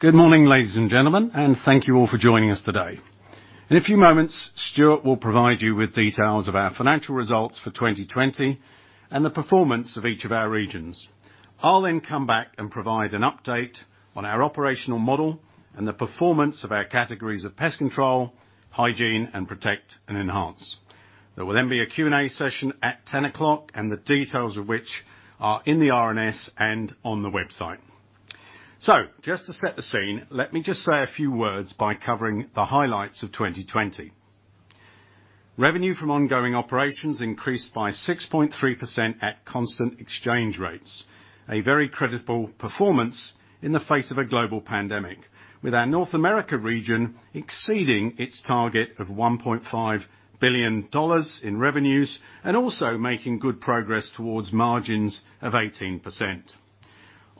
Good morning, ladies and gentlemen, thank you all for joining us today. In a few moments, Stuart will provide you with details of our financial results for 2020 and the performance of each of our regions. I'll then come back and provide an update on our operational model and the performance of our categories of pest control, hygiene, and Protect and Enhance. There will then be a Q&A session at 10:00 A.M. and the details of which are in the RNS and on the website. Just to set the scene, let me just say a few words by covering the highlights of 2020. Revenue from ongoing operations increased by 6.3% at constant exchange rates. A very credible performance in the face of a global pandemic. With our North America region exceeding its target of $1.5 billion in revenues and also making good progress towards margins of 18%.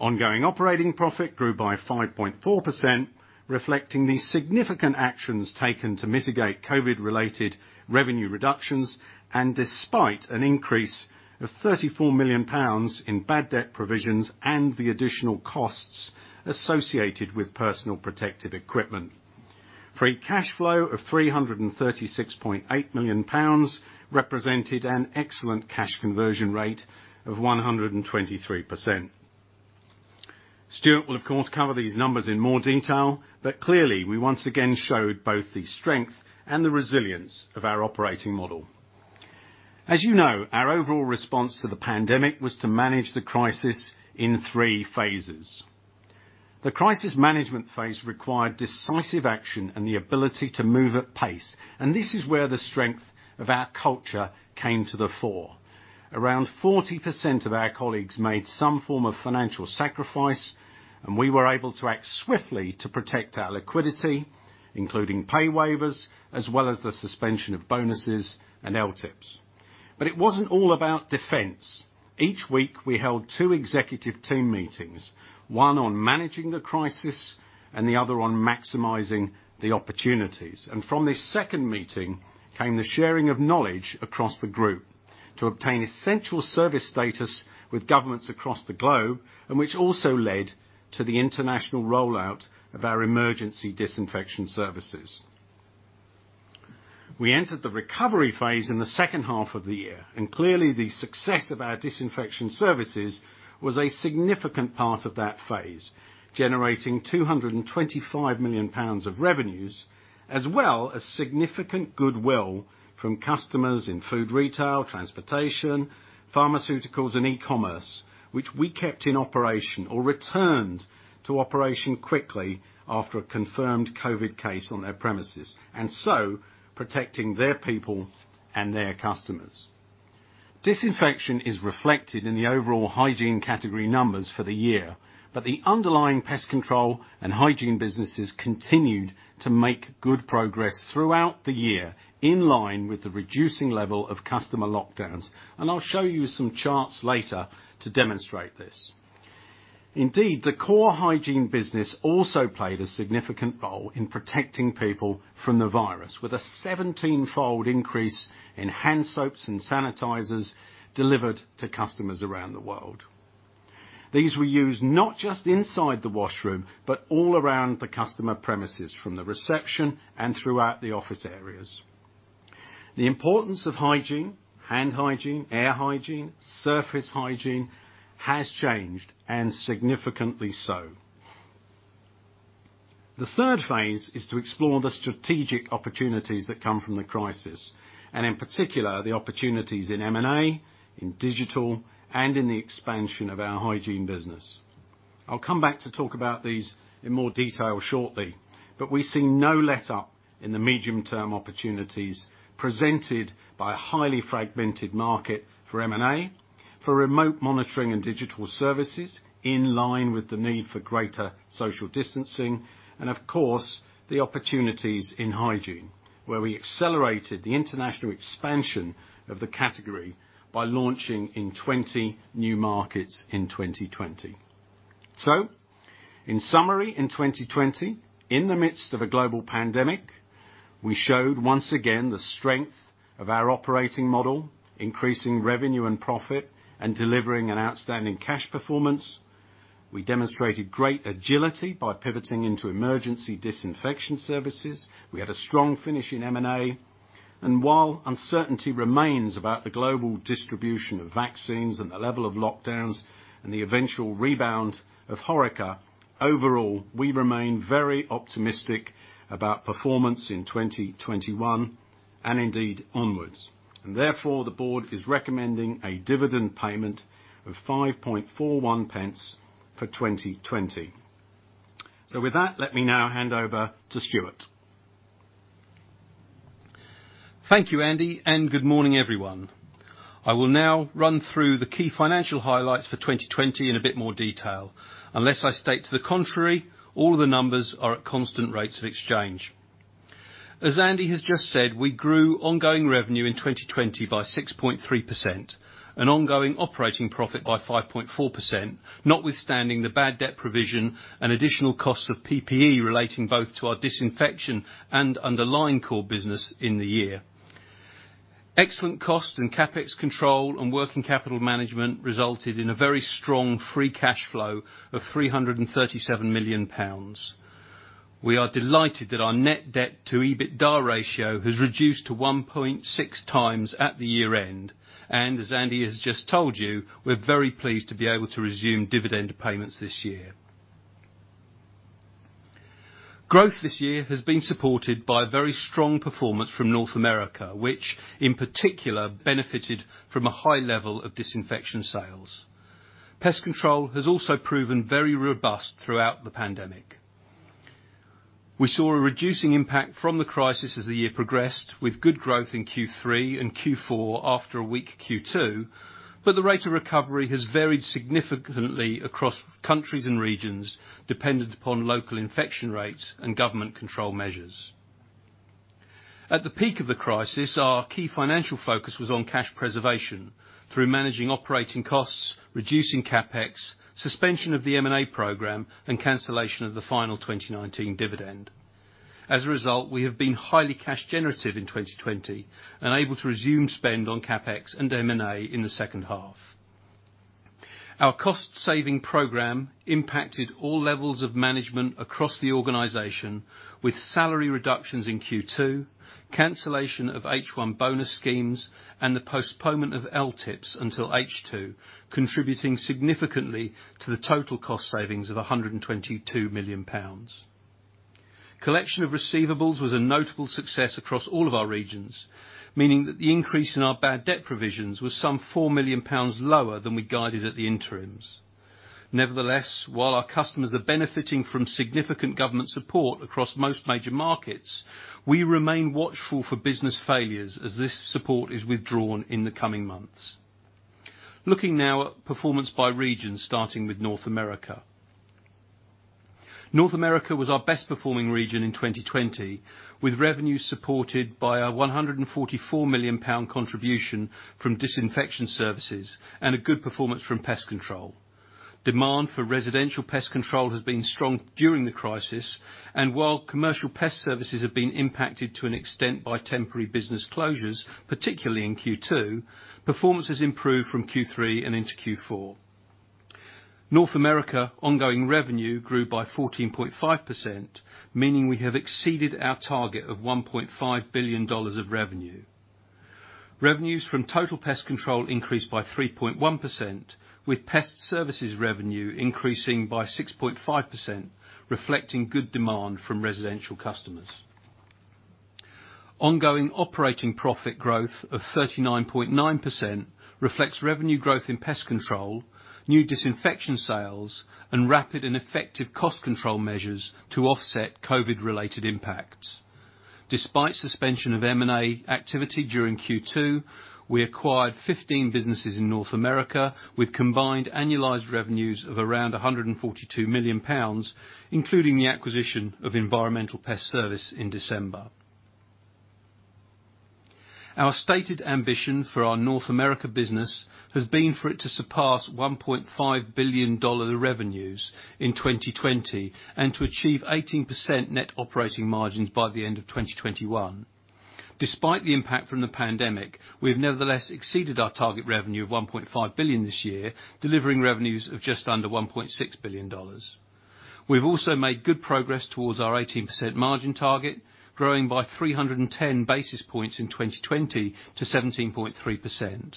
Ongoing operating profit grew by 5.4%, reflecting the significant actions taken to mitigate COVID-related revenue reductions and despite an increase of 34 million pounds in bad debt provisions and the additional costs associated with personal protective equipment. Free cash flow of 336.8 million pounds represented an excellent cash conversion rate of 123%. Stuart will, of course, cover these numbers in more detail. Clearly we once again showed both the strength and the resilience of our operating model. As you know, our overall response to the pandemic was to manage the crisis in three phases. The crisis management phase required decisive action and the ability to move at pace. This is where the strength of our culture came to the fore. Around 40% of our colleagues made some form of financial sacrifice, we were able to act swiftly to protect our liquidity, including pay waivers, as well as the suspension of bonuses and LTIPs. It wasn't all about defense. Each week we held two executive team meetings, one on managing the crisis and the other on maximizing the opportunities. From this second meeting came the sharing of knowledge across the group to obtain essential service status with governments across the globe, and which also led to the international rollout of our emergency disinfection services. We entered the recovery phase in the second half of the year, clearly the success of our disinfection services was a significant part of that phase, generating 225 million pounds of revenues, as well as significant goodwill from customers in food retail, transportation, pharmaceuticals and e-commerce, which we kept in operation or returned to operation quickly after a confirmed COVID case on their premises, protecting their people and their customers. Disinfection is reflected in the overall hygiene category numbers for the year, the underlying pest control and hygiene businesses continued to make good progress throughout the year, in line with the reducing level of customer lockdowns. I'll show you some charts later to demonstrate this. Indeed, the core hygiene business also played a significant role in protecting people from the virus, with a 17-fold increase in hand soaps and sanitizers delivered to customers around the world. These were used not just inside the washroom, but all around the customer premises from the reception and throughout the office areas. The importance of hygiene, hand hygiene, air hygiene, surface hygiene has changed, and significantly so. The third phase is to explore the strategic opportunities that come from the crisis and in particular the opportunities in M&A, in digital, and in the expansion of our hygiene business. I'll come back to talk about these in more detail shortly, but we see no letup in the medium term opportunities presented by a highly fragmented market for M&A for remote monitoring and digital services in line with the need for greater social distancing and, of course, the opportunities in hygiene, where we accelerated the international expansion of the category by launching in 20 new markets in 2020. In summary, in 2020, in the midst of a global pandemic, we showed once again the strength of our operating model, increasing revenue and profit and delivering an outstanding cash performance. We demonstrated great agility by pivoting into emergency disinfection services. We had a strong finish in M&A, and while uncertainty remains about the global distribution of vaccines and the level of lockdowns and the eventual rebound of HORECA, overall, we remain very optimistic about performance in 2021 and indeed onwards, and therefore the board is recommending a dividend payment of 0.0541 for 2020. With that, let me now hand over to Stuart. Thank you, Andy, and good morning, everyone. I will now run through the key financial highlights for 2020 in a bit more detail. Unless I state to the contrary, all of the numbers are at constant rates of exchange. As Andy has just said, we grew ongoing revenue in 2020 by 6.3%, and ongoing operating profit by 5.4%, notwithstanding the bad debt provision and additional costs of PPE relating both to our disinfection and underlying core business in the year. Excellent cost and CapEx control and working capital management resulted in a very strong free cash flow of 337 million pounds. We are delighted that our net debt to EBITDA ratio has reduced to 1.6x at the year-end, and as Andy has just told you, we are very pleased to be able to resume dividend payments this year. Growth this year has been supported by very strong performance from North America, which, in particular, benefited from a high level of disinfection sales. Pest control has also proven very robust throughout the pandemic. We saw a reducing impact from the crisis as the year progressed, with good growth in Q3 and Q4 after a weak Q2, but the rate of recovery has varied significantly across countries and regions, dependent upon local infection rates and government control measures. At the peak of the crisis, our key financial focus was on cash preservation through managing operating costs, reducing CapEx, suspension of the M&A program, and cancellation of the final 2019 dividend. As a result, we have been highly cash generative in 2020 and able to resume spend on CapEx and M&A in the second half. Our cost-saving program impacted all levels of management across the organization, with salary reductions in Q2, cancellation of H1 bonus schemes, and the postponement of LTIPs until H2, contributing significantly to the total cost savings of 122 million pounds. Collection of receivables was a notable success across all of our regions, meaning that the increase in our bad debt provisions was some 4 million pounds lower than we guided at the interims. Nevertheless, while our customers are benefiting from significant government support across most major markets, we remain watchful for business failures as this support is withdrawn in the coming months. Looking now at performance by region, starting with North America. North America was our best performing region in 2020, with revenues supported by a 144 million pound contribution from disinfection services and a good performance from pest control. Demand for residential pest control has been strong during the crisis. While commercial pest services have been impacted to an extent by temporary business closures, particularly in Q2, performance has improved from Q3 and into Q4. North America ongoing revenue grew by 14.5%, meaning we have exceeded our target of $1.5 billion of revenue. Revenues from total pest control increased by 3.1%, with pest services revenue increasing by 6.5%, reflecting good demand from residential customers. Ongoing operating profit growth of 39.9% reflects revenue growth in pest control, new disinfection sales, and rapid and effective cost control measures to offset COVID-related impacts. Despite suspension of M&A activity during Q2, we acquired 15 businesses in North America with combined annualized revenues of around GBP 142 million, including the acquisition of Environmental Pest Service in December. Our stated ambition for our North America business has been for it to surpass $1.5 billion revenues in 2020 and to achieve 18% net operating margins by the end of 2021. Despite the impact from the pandemic, we've nevertheless exceeded our target revenue of $1.5 billion this year, delivering revenues of just under $1.6 billion. We've also made good progress towards our 18% margin target, growing by 310 basis points in 2020 to 17.3%.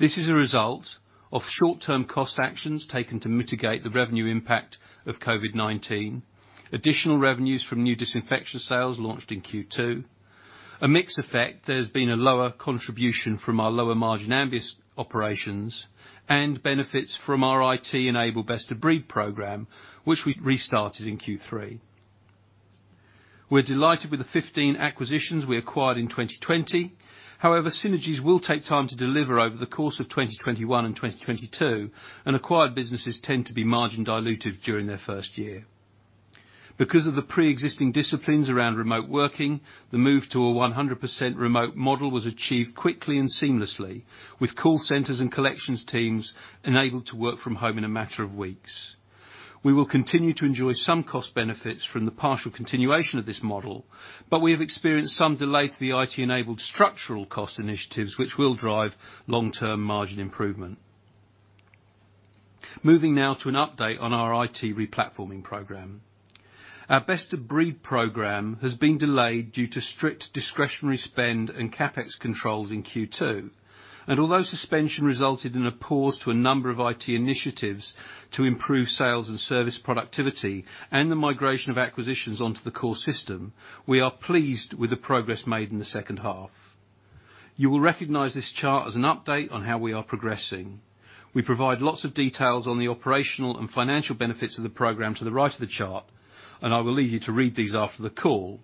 This is a result of short-term cost actions taken to mitigate the revenue impact of COVID-19, additional revenues from new disinfection sales launched in Q2, a mix effect that has been a lower contribution from our lower-margin Ambius operations, and benefits from our IT-enabled Best of Breed program, which we restarted in Q3. We're delighted with the 15 acquisitions we acquired in 2020. Synergies will take time to deliver over the course of 2021 and 2022, and acquired businesses tend to be margin dilutive during their first year. Because of the preexisting disciplines around remote working, the move to a 100% remote model was achieved quickly and seamlessly, with call centers and collections teams enabled to work from home in a matter of weeks. We will continue to enjoy some cost benefits from the partial continuation of this model, but we have experienced some delay to the IT-enabled structural cost initiatives, which will drive long-term margin improvement. Moving now to an update on our IT replatforming program. Our Best of Breed program has been delayed due to strict discretionary spend and CapEx controls in Q2, and although suspension resulted in a pause to a number of IT initiatives to improve sales and service productivity and the migration of acquisitions onto the core system, we are pleased with the progress made in the second half. You will recognize this chart as an update on how we are progressing. We provide lots of details on the operational and financial benefits of the program to the right of the chart, and I will leave you to read these after the call.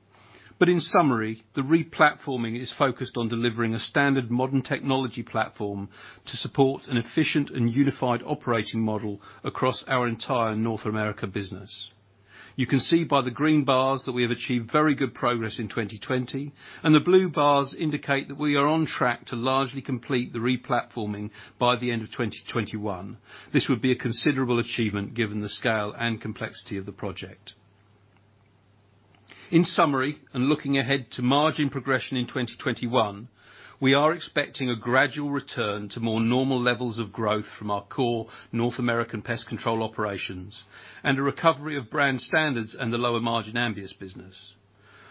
In summary, the replatforming is focused on delivering a standard modern technology platform to support an efficient and unified operating model across our entire North America business. You can see by the green bars that we have achieved very good progress in 2020, and the blue bars indicate that we are on track to largely complete the replatforming by the end of 2021. This would be a considerable achievement given the scale and complexity of the project. In summary, and looking ahead to margin progression in 2021, we are expecting a gradual return to more normal levels of growth from our core North American pest control operations and a recovery of brand standards and the lower margin Ambius business.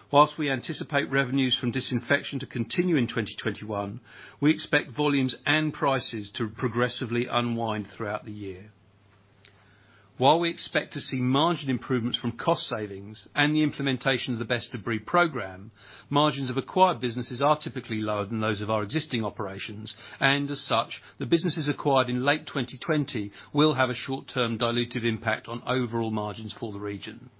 While we anticipate revenues from disinfection to continue in 2021, we expect volumes and prices to progressively unwind throughout the year. While we expect to see margin improvements from cost savings and the implementation of the Best of Breed program, margins of acquired businesses are typically lower than those of our existing operations, and as such, the businesses acquired in late 2020 will have a short-term dilutive impact on overall margins for the region.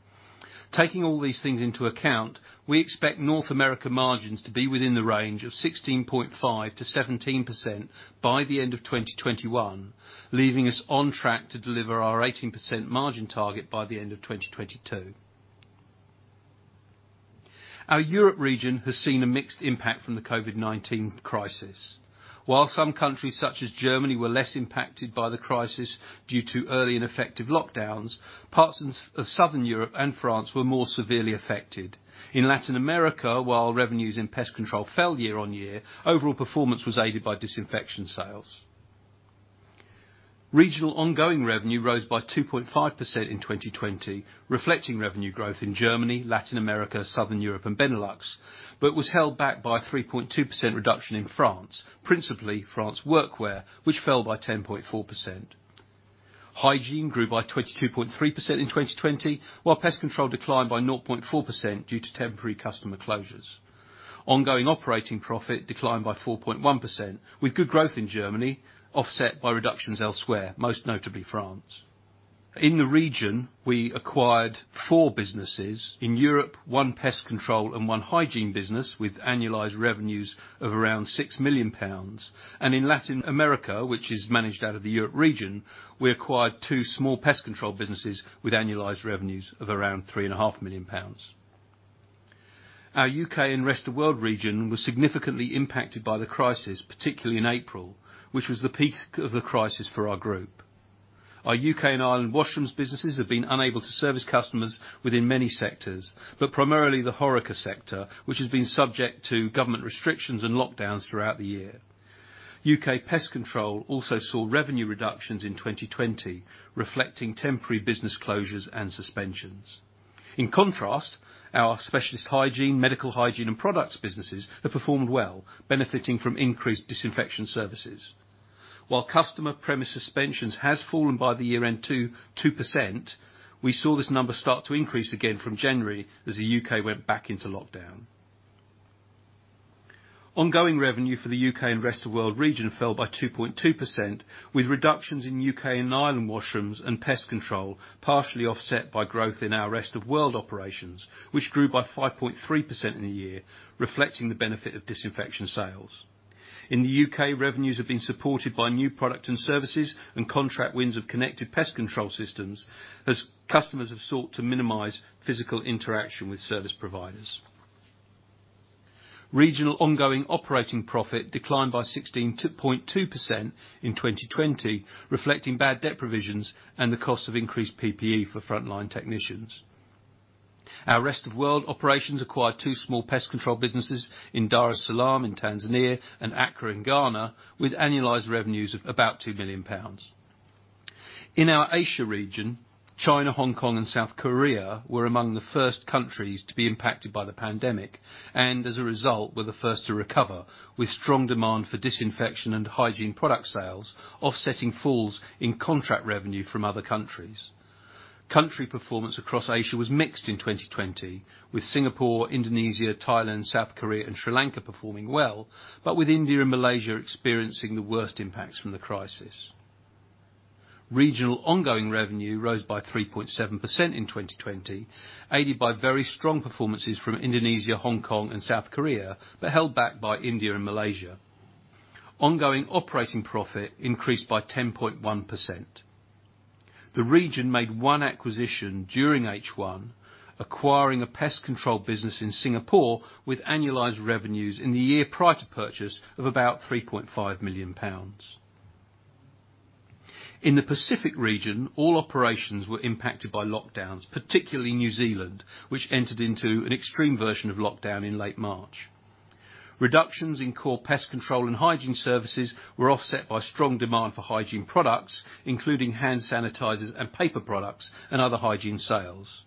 Taking all these things into account, we expect North America margins to be within the range of 16.5%-17% by the end of 2021, leaving us on track to deliver our 18% margin target by the end of 2022. Our Europe region has seen a mixed impact from the COVID-19 crisis. While some countries such as Germany were less impacted by the crisis due to early and effective lockdowns, parts of Southern Europe and France were more severely affected. In Latin America, while revenues in pest control fell year-on-year, overall performance was aided by disinfection sales. Regional ongoing revenue rose by 2.5% in 2020, reflecting revenue growth in Germany, Latin America, Southern Europe, and Benelux, but was held back by a 3.2% reduction in France, principally France Workwear, which fell by 10.4%. Hygiene grew by 22.3% in 2020, while pest control declined by 0.4% due to temporary customer closures. Ongoing operating profit declined by 4.1%, with good growth in Germany offset by reductions elsewhere, most notably France. In the region, we acquired four businesses. In Europe, one pest control and one hygiene business with annualized revenues of around 6 million pounds. In Latin America, which is managed out of the Europe region, we acquired two small pest control businesses with annualized revenues of around 3.5 million pounds. Our U.K. and rest of world region was significantly impacted by the crisis, particularly in April, which was the peak of the crisis for our group. Our U.K. and Ireland washrooms businesses have been unable to service customers within many sectors, but primarily the HORECA sector, which has been subject to government restrictions and lockdowns throughout the year. U.K. Pest Control also saw revenue reductions in 2020, reflecting temporary business closures and suspensions. In contrast, our specialist hygiene, medical hygiene, and products businesses have performed well, benefiting from increased disinfection services. While customer premise suspensions has fallen by the year end 2%, we saw this number start to increase again from January as the U.K. went back into lockdown. Ongoing revenue for the U.K. and rest of world region fell by 2.2%, with reductions in U.K. and Ireland washrooms and pest control partially offset by growth in our rest of world operations, which grew by 5.3% in the year, reflecting the benefit of disinfection sales. In the U.K., revenues have been supported by new product and services and contract wins of connected pest control systems as customers have sought to minimize physical interaction with service providers. Regional ongoing operating profit declined by 16.2% in 2020, reflecting bad debt provisions and the cost of increased PPE for frontline technicians. Our rest of world operations acquired two small pest control businesses in Dar es Salaam in Tanzania and Accra in Ghana, with annualized revenues of about 2 million pounds. In our Asia region, China, Hong Kong, and South Korea were among the first countries to be impacted by the pandemic and, as a result, were the first to recover, with strong demand for disinfection and hygiene product sales offsetting falls in contract revenue from other countries. Country performance across Asia was mixed in 2020, with Singapore, Indonesia, Thailand, South Korea, and Sri Lanka performing well, but with India and Malaysia experiencing the worst impacts from the crisis. Regional ongoing revenue rose by 3.7% in 2020, aided by very strong performances from Indonesia, Hong Kong, and South Korea, but held back by India and Malaysia. Ongoing operating profit increased by 10.1%. The region made one acquisition during H1, acquiring a pest control business in Singapore with annualized revenues in the year prior to purchase of about 3.5 million pounds. In the Pacific region, all operations were impacted by lockdowns, particularly New Zealand, which entered into an extreme version of lockdown in late March. Reductions in core pest control and hygiene services were offset by strong demand for hygiene products, including hand sanitizers and paper products and other hygiene sales.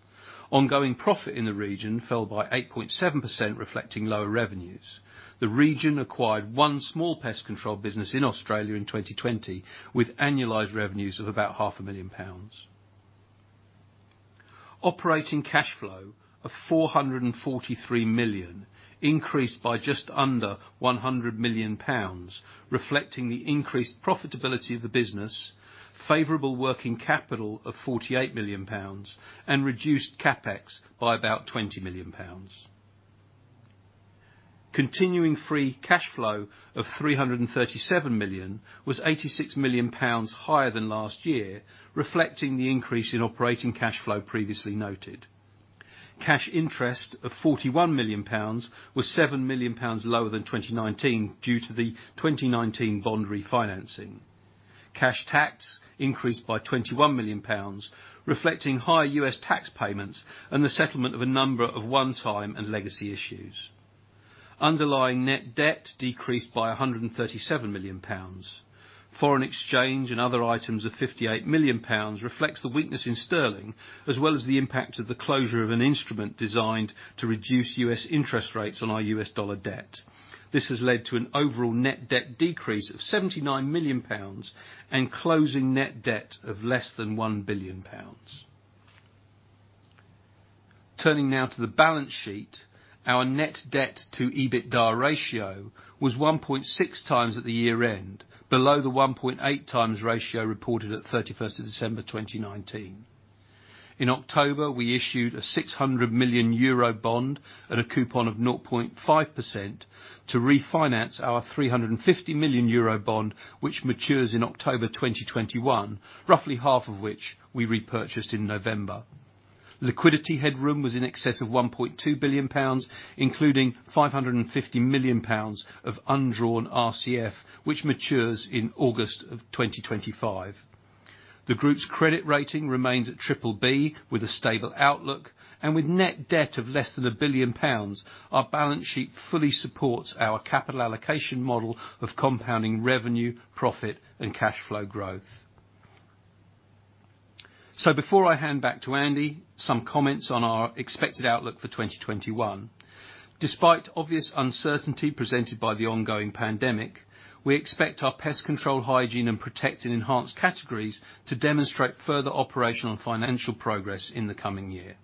Ongoing profit in the region fell by 8.7%, reflecting lower revenues. The region acquired one small pest control business in Australia in 2020 with annualized revenues of about 500,000 pounds. Operating cash flow of 443 million increased by just under 100 million pounds, reflecting the increased profitability of the business, favorable working capital of GBP 48 million, and reduced CapEx by about 20 million pounds. Continuing free cash flow of 337 million was 86 million pounds higher than last year, reflecting the increase in operating cash flow previously noted. Cash interest of GBP 41 million was GBP 7 million lower than 2019 due to the 2019 bond refinancing. Cash tax increased by 21 million pounds, reflecting higher U.S. tax payments and the settlement of a number of one-time and legacy issues. Underlying net debt decreased by 137 million pounds. Foreign exchange and other items of 58 million pounds reflects the weakness in sterling, as well as the impact of the closure of an instrument designed to reduce U.S. interest rates on our U.S. dollar debt. This has led to an overall net debt decrease of GBP 79 million and closing net debt of less than GBP 1 billion. Turning now to the balance sheet, our net debt to EBITDA ratio was 1.6x at the year-end, below the 1.8x ratio reported at 31st of December 2019. In October, we issued a 600 million euro bond at a coupon of 0.5% to refinance our 350 million euro bond, which matures in October 2021, roughly half of which we repurchased in November. Liquidity headroom was in excess of 1.2 billion pounds, including 550 million pounds of undrawn RCF, which matures in August of 2025. The group's credit rating remains at BBB with a stable outlook. With net debt of less than 1 billion pounds, our balance sheet fully supports our capital allocation model of compounding revenue, profit, and cash flow growth. Before I hand back to Andy, some comments on our expected outlook for 2021. Despite obvious uncertainty presented by the ongoing pandemic, we expect our Pest Control, Hygiene, and Protect and Enhance categories to demonstrate further operational and financial progress in the coming year.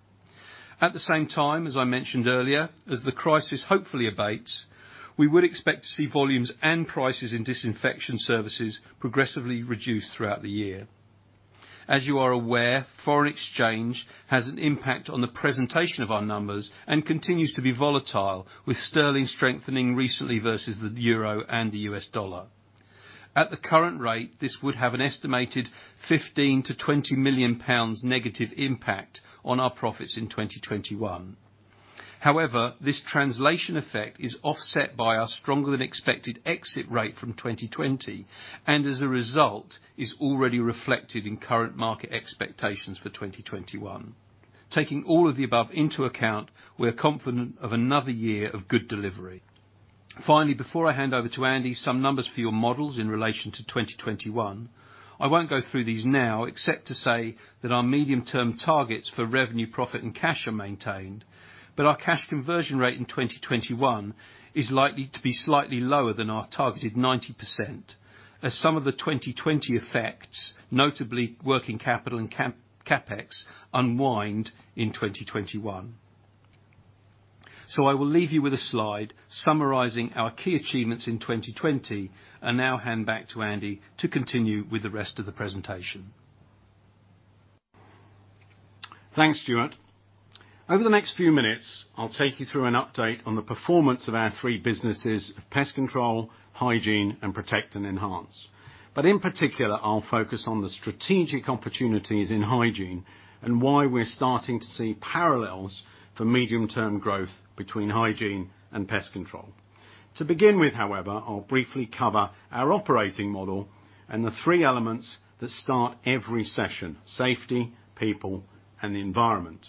At the same time, as I mentioned earlier, as the crisis hopefully abates, we would expect to see volumes and prices in disinfection services progressively reduce throughout the year. As you are aware, foreign exchange has an impact on the presentation of our numbers and continues to be volatile, with sterling strengthening recently versus the euro and the US dollar. At the current rate, this would have an estimated 15 million-20 million pounds negative impact on our profits in 2021. However, this translation effect is offset by our stronger than expected exit rate from 2020, and as a result, is already reflected in current market expectations for 2021. Taking all of the above into account, we're confident of another year of good delivery. Finally, before I hand over to Andy, some numbers for your models in relation to 2021. I won't go through these now, except to say that our medium-term targets for revenue, profit, and cash are maintained, but our cash conversion rate in 2021 is likely to be slightly lower than our targeted 90%, as some of the 2020 effects, notably working capital and CapEx, unwind in 2021. I will leave you with a slide summarizing our key achievements in 2020 and now hand back to Andy to continue with the rest of the presentation. Thanks, Stuart. Over the next few minutes, I'll take you through an update on the performance of our three businesses of Pest Control, Hygiene, and Protect and Enhance. In particular, I'll focus on the strategic opportunities in Hygiene and why we're starting to see parallels for medium-term growth between Hygiene and Pest Control. To begin with, however, I'll briefly cover our operating model and the three elements that start every session, safety, people, and the environment.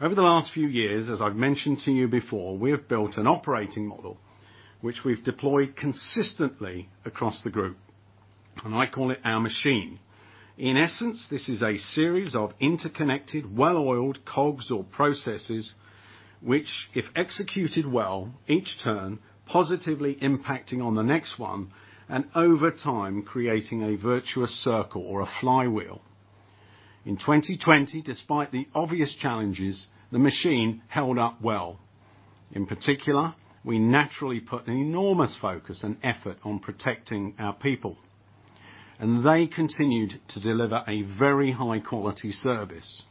Over the last few years, as I've mentioned to you before, we have built an operating model which we've deployed consistently across the group, and I call it our machine. In essence, this is a series of interconnected, well-oiled cogs or processes, which, if executed well, each turn positively impacting on the next one, and over time, creating a virtuous circle or a flywheel. In 2020, despite the obvious challenges, the machine held up well. In particular, we naturally put an enormous focus and effort on protecting our people, and they continued to deliver a very high quality service.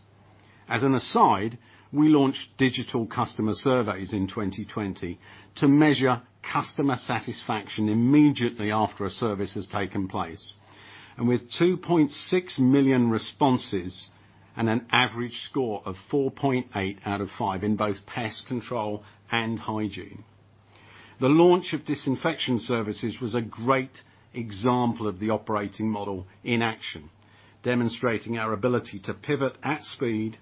As an aside, we launched digital customer surveys in 2020 to measure customer satisfaction immediately after a service has taken place, with 2.6 million responses and an average score of 4.8 out of five in both Pest Control and Hygiene. The launch of disinfection services was a great example of the operating model in action, demonstrating our ability to pivot at speed,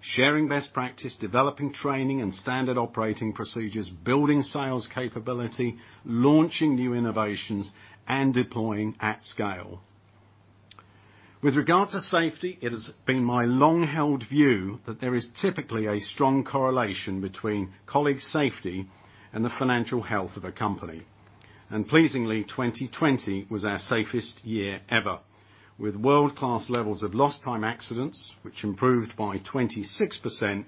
sharing best practice, developing training and standard operating procedures, building sales capability, launching new innovations, and deploying at scale. With regard to safety, it has been my long-held view that there is typically a strong correlation between colleague safety and the financial health of a company. Pleasingly, 2020 was our safest year ever, with world-class levels of lost time accidents, which improved by 26%,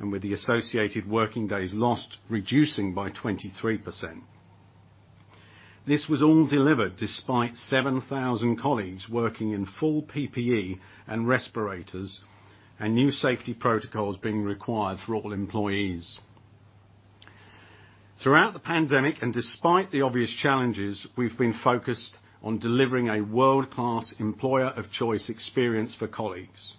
and with the associated working days lost reducing by 23%. This was all delivered despite 7,000 colleagues working in full PPE and respirators and new safety protocols being required for all employees. Throughout the pandemic, and despite the obvious challenges, we've been focused on delivering a world-class employer of choice experience for colleagues.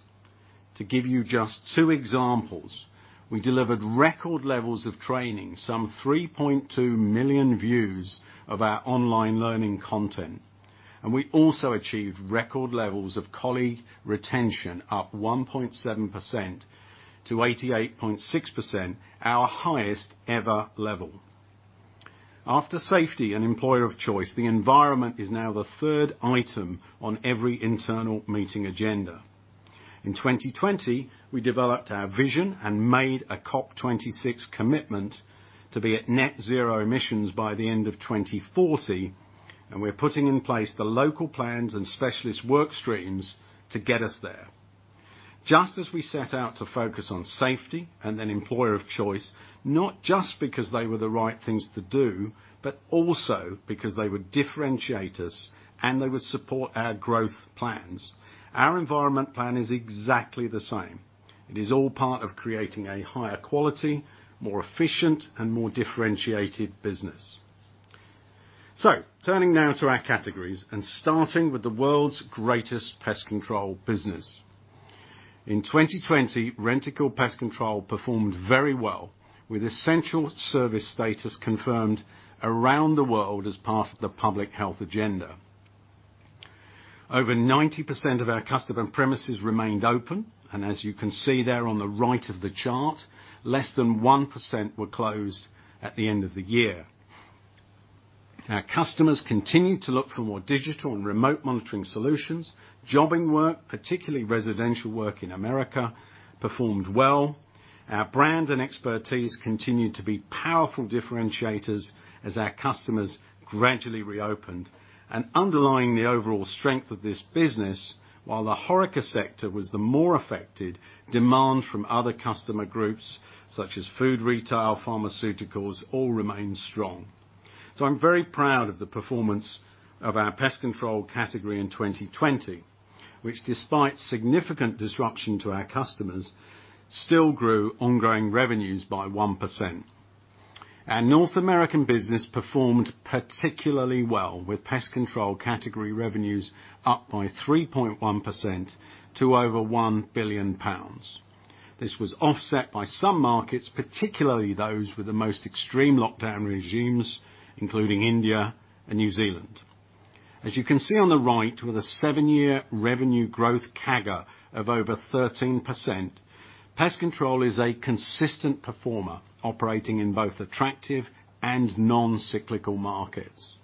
To give you just two examples, we delivered record levels of training, some 3.2 million views of our online learning content, and we also achieved record levels of colleague retention up 1.7%-88.6%, our highest ever level. After safety and employer of choice, the environment is now the third item on every internal meeting agenda. In 2020, we developed our vision and made a COP26 commitment to be at net zero emissions by the end of 2040. We're putting in place the local plans and specialist work streams to get us there. Just as we set out to focus on safety and then employer of choice, not just because they were the right things to do, but also because they would differentiate us and they would support our growth plans. Our environment plan is exactly the same. It is all part of creating a higher quality, more efficient, and more differentiated business. Turning now to our categories and starting with the world's greatest pest control business. In 2020, Rentokil Pest Control performed very well with essential service status confirmed around the world as part of the public health agenda. Over 90% of our customer premises remained open. As you can see there on the right of the chart, less than 1% were closed at the end of the year. Our customers continued to look for more digital and remote monitoring solutions, jobbing work, particularly residential work in America, performed well. Our brand and expertise continued to be powerful differentiators as our customers gradually reopened. Underlying the overall strength of this business, while the HORECA sector was the more affected, demand from other customer groups such as food retail, pharmaceuticals, all remained strong. I'm very proud of the performance of our pest control category in 2020, which despite significant disruption to our customers, still grew ongoing revenues by 1%. Our North American business performed particularly well with pest control category revenues up by 3.1% to over 1 billion pounds. This was offset by some markets, particularly those with the most extreme lockdown regimes, including India and New Zealand. As you can see on the right, with a seven-year revenue growth CAGR of over 13%, pest control is a consistent performer operating in both attractive and non-cyclical markets.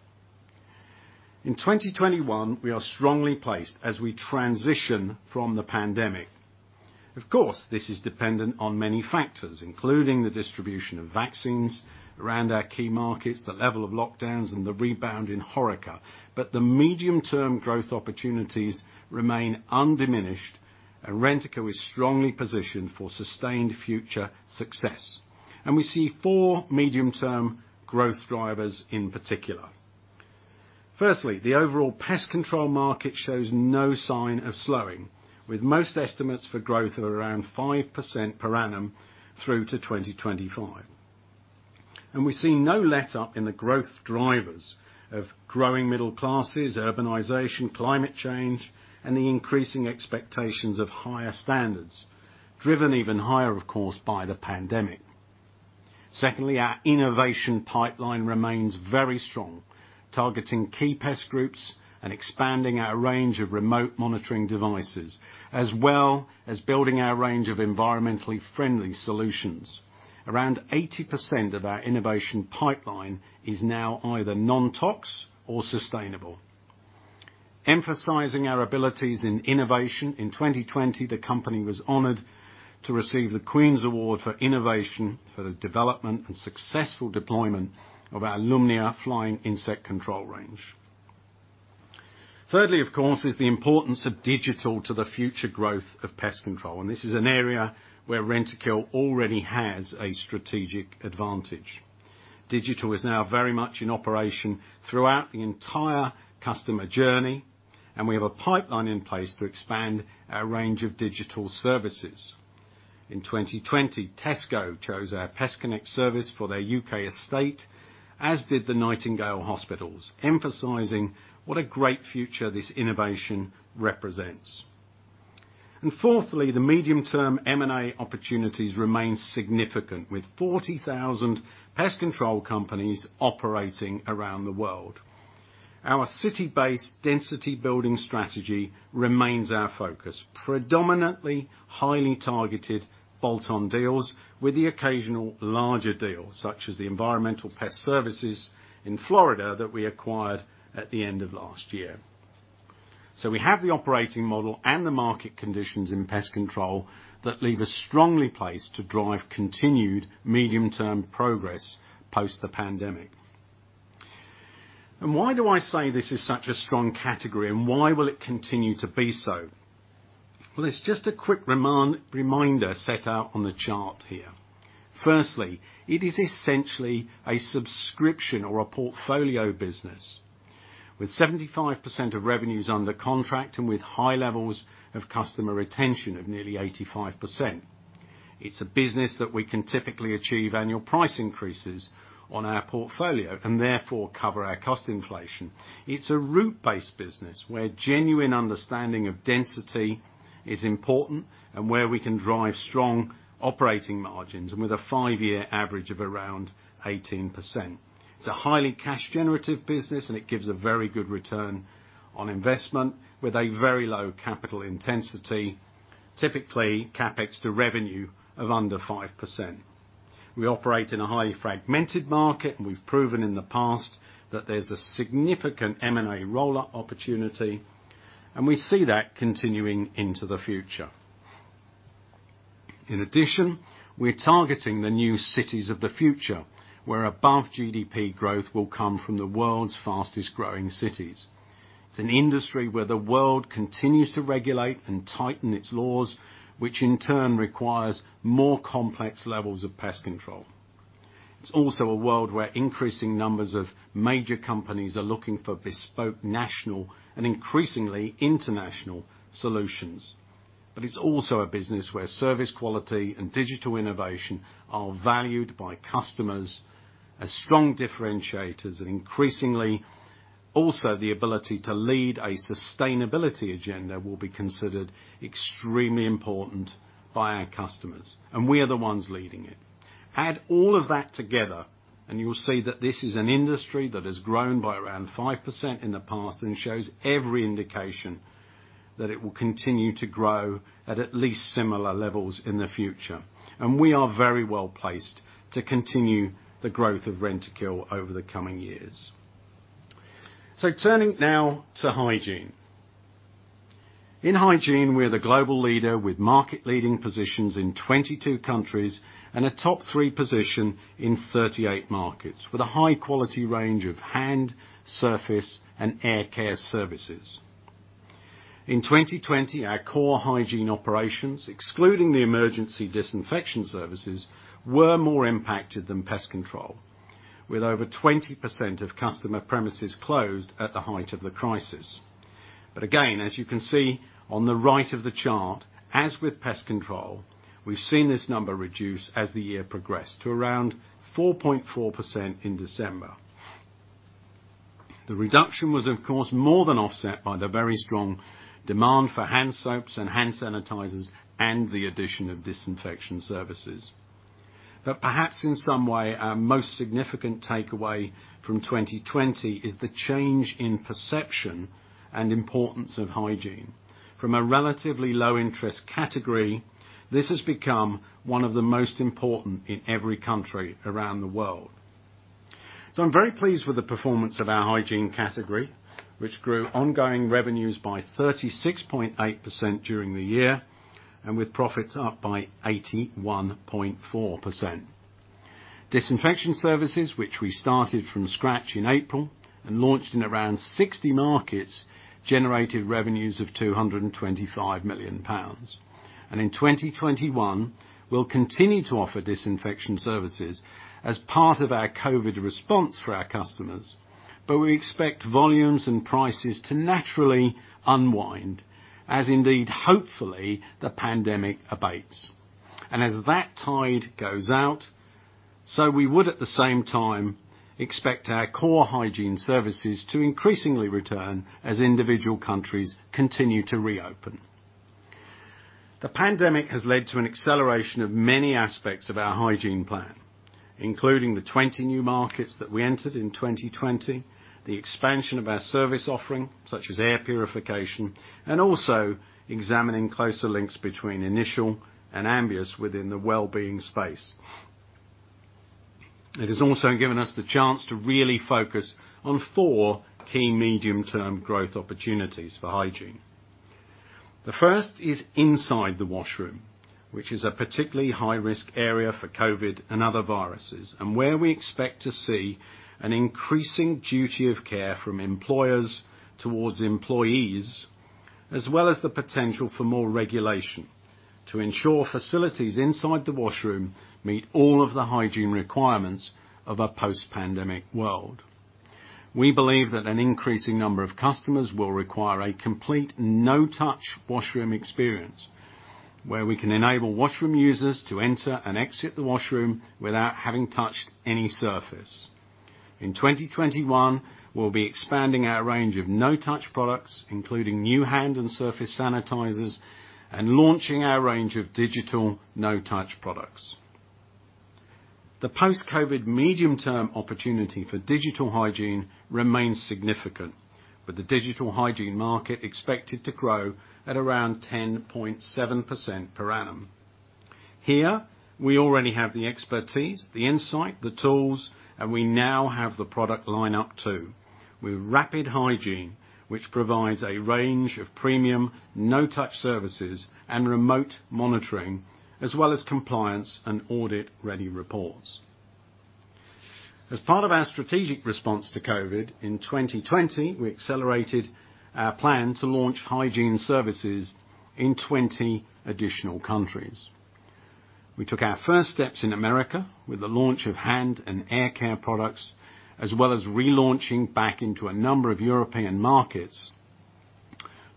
In 2021, we are strongly placed as we transition from the pandemic. Of course, this is dependent on many factors, including the distribution of vaccines around our key markets, the level of lockdowns, and the rebound in HORECA. The medium-term growth opportunities remain undiminished, and Rentokil is strongly positioned for sustained future success. We see four medium-term growth drivers in particular. Firstly, the overall pest control market shows no sign of slowing, with most estimates for growth at around 5% per annum through to 2025. We see no letup in the growth drivers of growing middle classes, urbanization, climate change, and the increasing expectations of higher standards, driven even higher, of course, by the pandemic. Secondly, our innovation pipeline remains very strong, targeting key pest groups and expanding our range of remote monitoring devices, as well as building our range of environmentally friendly solutions. Around 80% of our innovation pipeline is now either non-tox or sustainable. Emphasizing our abilities in innovation, in 2020, the company was honored to receive the Queen's Award for Innovation for the development and successful deployment of our Lumnia flying insect control range. Thirdly, of course, is the importance of digital to the future growth of pest control, and this is an area where Rentokil already has a strategic advantage. Digital is now very much in operation throughout the entire customer journey, and we have a pipeline in place to expand our range of digital services. In 2020, Tesco chose our PestConnect service for their U.K. estate, as did the Nightingale Hospitals, emphasizing what a great future this innovation represents. Fourthly, the medium-term M&A opportunities remain significant with 40,000 pest control companies operating around the world. Our city-based density building strategy remains our focus, predominantly highly targeted bolt-on deals with the occasional larger deal, such as the Environmental Pest Service in Florida that we acquired at the end of last year. We have the operating model and the market conditions in pest control that leave us strongly placed to drive continued medium-term progress post the pandemic. Why do I say this is such a strong category, and why will it continue to be so? Well, it's just a quick reminder set out on the chart here. Firstly, it is essentially a subscription or a portfolio business with 75% of revenues under contract and with high levels of customer retention of nearly 85%. It's a business that we can typically achieve annual price increases on our portfolio and therefore cover our cost inflation. It's a route-based business, where genuine understanding of density is important and where we can drive strong operating margins and with a five-year average of around 18%. It's a highly cash generative business, and it gives a very good return on investment with a very low capital intensity, typically CapEx to revenue of under 5%. We operate in a highly fragmented market, and we've proven in the past that there's a significant M&A rollout opportunity, and we see that continuing into the future. In addition, we're targeting the new cities of the future, where above GDP growth will come from the world's fastest-growing cities. It's an industry where the world continues to regulate and tighten its laws, which in turn requires more complex levels of pest control. It's also a world where increasing numbers of major companies are looking for bespoke national and increasingly international solutions. It's also a business where service quality and digital innovation are valued by customers as strong differentiators, and increasingly, also the ability to lead a sustainability agenda will be considered extremely important by our customers, and we are the ones leading it. Add all of that together, you will see that this is an industry that has grown by around 5% in the past and shows every indication that it will continue to grow at least similar levels in the future. We are very well-placed to continue the growth of Rentokil over the coming years. Turning now to hygiene. In hygiene, we're the global leader with market-leading positions in 22 countries and a top three position in 38 markets with a high-quality range of hand, surface, and air care services. In 2020, our core hygiene operations, excluding the emergency disinfection services, were more impacted than pest control, with over 20% of customer premises closed at the height of the crisis. Again, as you can see on the right of the chart, as with pest control, we've seen this number reduce as the year progressed to around 4.4% in December. The reduction was, of course, more than offset by the very strong demand for hand soaps and hand sanitizers and the addition of disinfection services. Perhaps in some way, our most significant takeaway from 2020 is the change in perception and importance of hygiene. From a relatively low interest category, this has become one of the most important in every country around the world. I'm very pleased with the performance of our hygiene category, which grew ongoing revenues by 36.8% during the year and with profits up by 81.4%. Disinfection services, which we started from scratch in April and launched in around 60 markets, generated revenues of 225 million pounds. In 2021, we'll continue to offer disinfection services as part of our COVID response for our customers, but we expect volumes and prices to naturally unwind as indeed, hopefully, the pandemic abates. As that tide goes out, so we would at the same time expect our core hygiene services to increasingly return as individual countries continue to reopen. The pandemic has led to an acceleration of many aspects of our hygiene plan, including the 20 new markets that we entered in 2020, the expansion of our service offering, such as air purification, and also examining closer links between Initial and Ambius within the well-being space. It has also given us the chance to really focus on four key medium-term growth opportunities for hygiene. The first is inside the washroom, which is a particularly high-risk area for COVID and other viruses, and where we expect to see an increasing duty of care from employers towards employees, as well as the potential for more regulation to ensure facilities inside the washroom meet all of the hygiene requirements of a post-pandemic world. We believe that an increasing number of customers will require a complete no-touch washroom experience where we can enable washroom users to enter and exit the washroom without having touched any surface. In 2021, we'll be expanding our range of no-touch products, including new hand and surface sanitizers, and launching our range of digital no-touch products. The post-COVID medium-term opportunity for digital hygiene remains significant, with the digital hygiene market expected to grow at around 10.7% per annum. Here, we already have the expertise, the insight, the tools, and we now have the product line up, too, with Rapid Hygiene, which provides a range of premium no-touch services and remote monitoring, as well as compliance and audit-ready reports. As part of our strategic response to COVID, in 2020, we accelerated our plan to launch hygiene services in 20 additional countries. We took our first steps in the U.S. with the launch of hand and air care products, as well as relaunching back into a number of European markets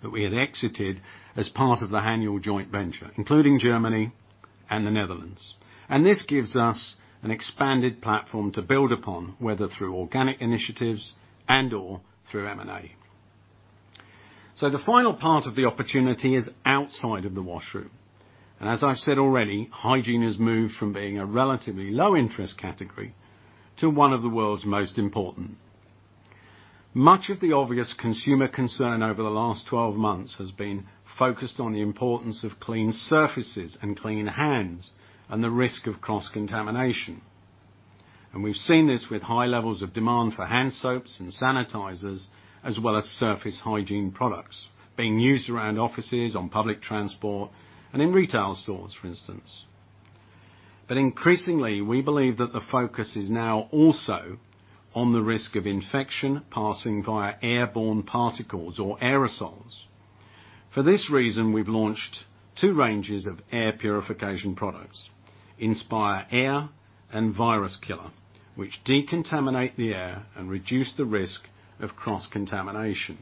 that we had exited as part of the Haniel joint venture, including Germany and the Netherlands. This gives us an expanded platform to build upon, whether through organic initiatives and/or through M&A. The final part of the opportunity is outside of the washroom. As I've said already, hygiene has moved from being a relatively low-interest category to one of the world's most important. Much of the obvious consumer concern over the last 12 months has been focused on the importance of clean surfaces and clean hands, and the risk of cross-contamination. We've seen this with high levels of demand for hand soaps and sanitizers, as well as surface hygiene products being used around offices, on public transport, and in retail stores, for instance. Increasingly, we believe that the focus is now also on the risk of infection passing via airborne particles or aerosols. For this reason, we've launched two ranges of air purification products, InspireAir and VIRUSKILLER, which decontaminate the air and reduce the risk of cross-contamination.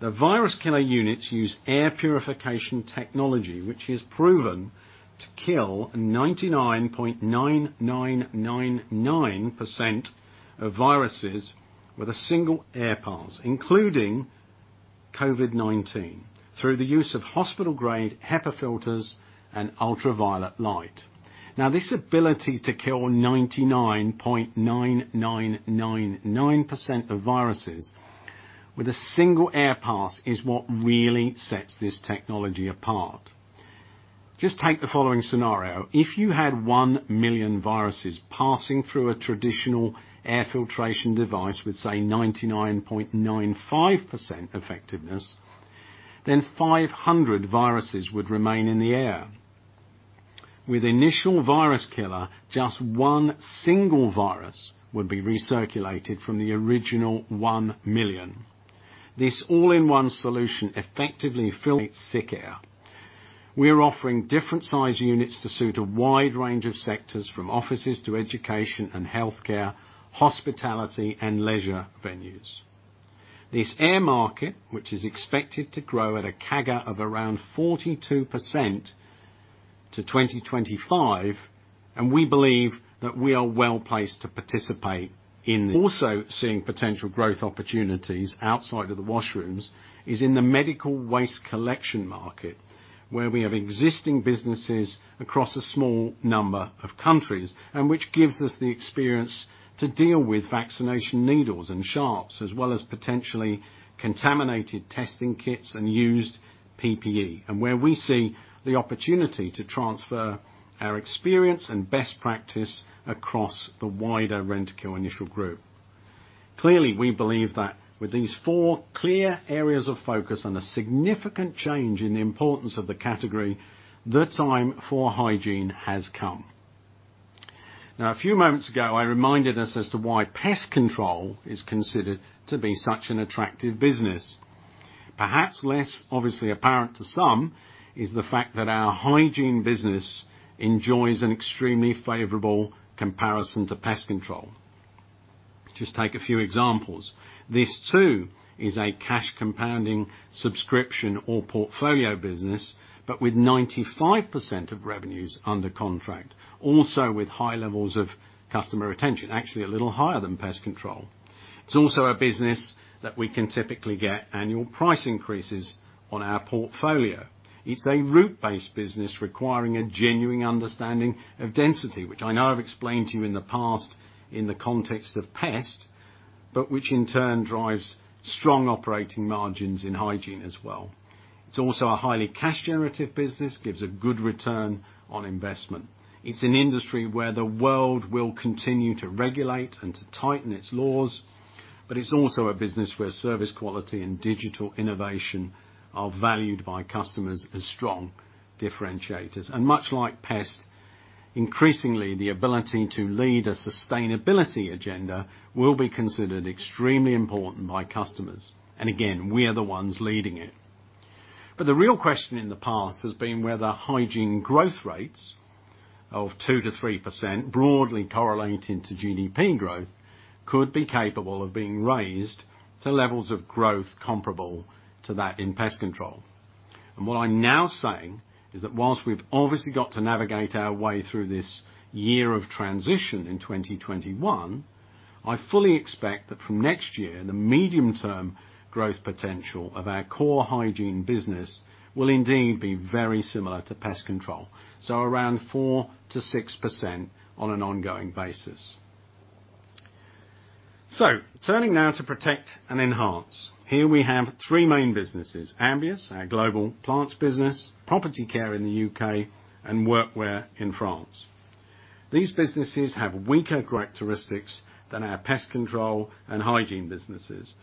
The VIRUSKILLER units use air purification technology, which is proven to kill 99.9999% of viruses with a single air pass, including COVID-19, through the use of hospital-grade HEPA filters and ultraviolet light. This ability to kill 99.9999% of viruses with a single air pass is what really sets this technology apart. Just take the following scenario. If you had 1 million viruses passing through a traditional air filtration device with, say, 99.95% effectiveness, then 500 viruses would remain in the air. With Initial VIRUSKILLER, just one single virus would be recirculated from the original 1 million. This all-in-one solution effectively filters sick air. We are offering different size units to suit a wide range of sectors, from offices to education and healthcare, hospitality, and leisure venues. This air market, which is expected to grow at a CAGR of around 42% to 2025, we believe that we are well-placed to participate in. Also seeing potential growth opportunities outside of the washrooms is in the medical waste collection market, where we have existing businesses across a small number of countries, which gives us the experience to deal with vaccination needles and sharps, as well as potentially contaminated testing kits and used PPE, and where we see the opportunity to transfer our experience and best practice across the wider Rentokil Initial group. Clearly, we believe that with these four clear areas of focus and a significant change in the importance of the category, the time for hygiene has come. A few moments ago, I reminded us as to why pest control is considered to be such an attractive business. Perhaps less obviously apparent to some is the fact that our hygiene business enjoys an extremely favorable comparison to pest control. Just take a few examples. This too is a cash compounding subscription or portfolio business, with 95% of revenues under contract, also with high levels of customer retention, actually a little higher than pest control. It's also a business that we can typically get annual price increases on our portfolio. It's a route-based business requiring a genuine understanding of density, which I know I've explained to you in the past in the context of pest, which in turn drives strong operating margins in hygiene as well. It's also a highly cash generative business, gives a good ROI. It's an industry where the world will continue to regulate and to tighten its laws, it's also a business where service quality and digital innovation are valued by customers as strong differentiators. Much like pest, increasingly, the ability to lead a sustainability agenda will be considered extremely important by customers. Again, we are the ones leading it. The real question in the past has been whether hygiene growth rates of 2%-3%, broadly correlating to GDP growth, could be capable of being raised to levels of growth comparable to that in pest control. What I'm now saying is that whilst we've obviously got to navigate our way through this year of transition in 2021, I fully expect that from next year, the medium-term growth potential of our core hygiene business will indeed be very similar to pest control, so around 4%-6% on an ongoing basis. Turning now to Protect and Enhance. Here we have three main businesses, Ambius, our global plants business, Property Care in the U.K., and Workwear in France. These businesses have weaker characteristics than our Pest Control and Hygiene businesses,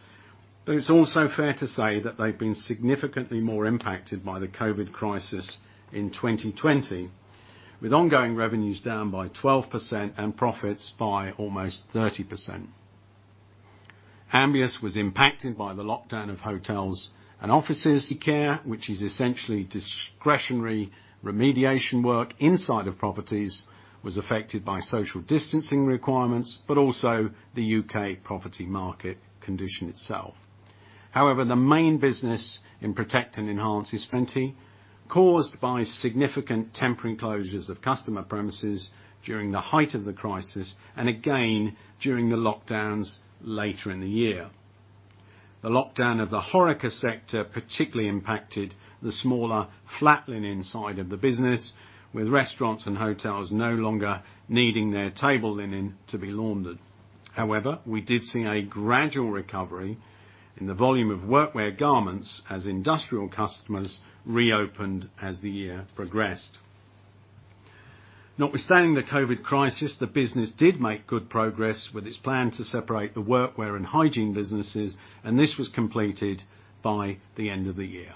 it's also fair to say that they've been significantly more impacted by the COVID-19 crisis in 2020, with ongoing revenues down by 12% and profits by almost 30%. Ambius was impacted by the lockdown of hotels and offices. Care, which is essentially discretionary remediation work inside of properties, was affected by social distancing requirements, but also the U.K. property market condition itself. The main business in Protect and Enhance is renting, caused by significant temporary closures of customer premises during the height of the crisis, and again, during the lockdowns later in the year. The lockdown of the HORECA sector particularly impacted the smaller flat linen side of the business, with restaurants and hotels no longer needing their table linen to be laundered. However, we did see a gradual recovery in the volume of workwear garments as industrial customers reopened as the year progressed. Notwithstanding the COVID-19 crisis, the business did make good progress with its plan to separate the workwear and hygiene businesses, and this was completed by the end of the year.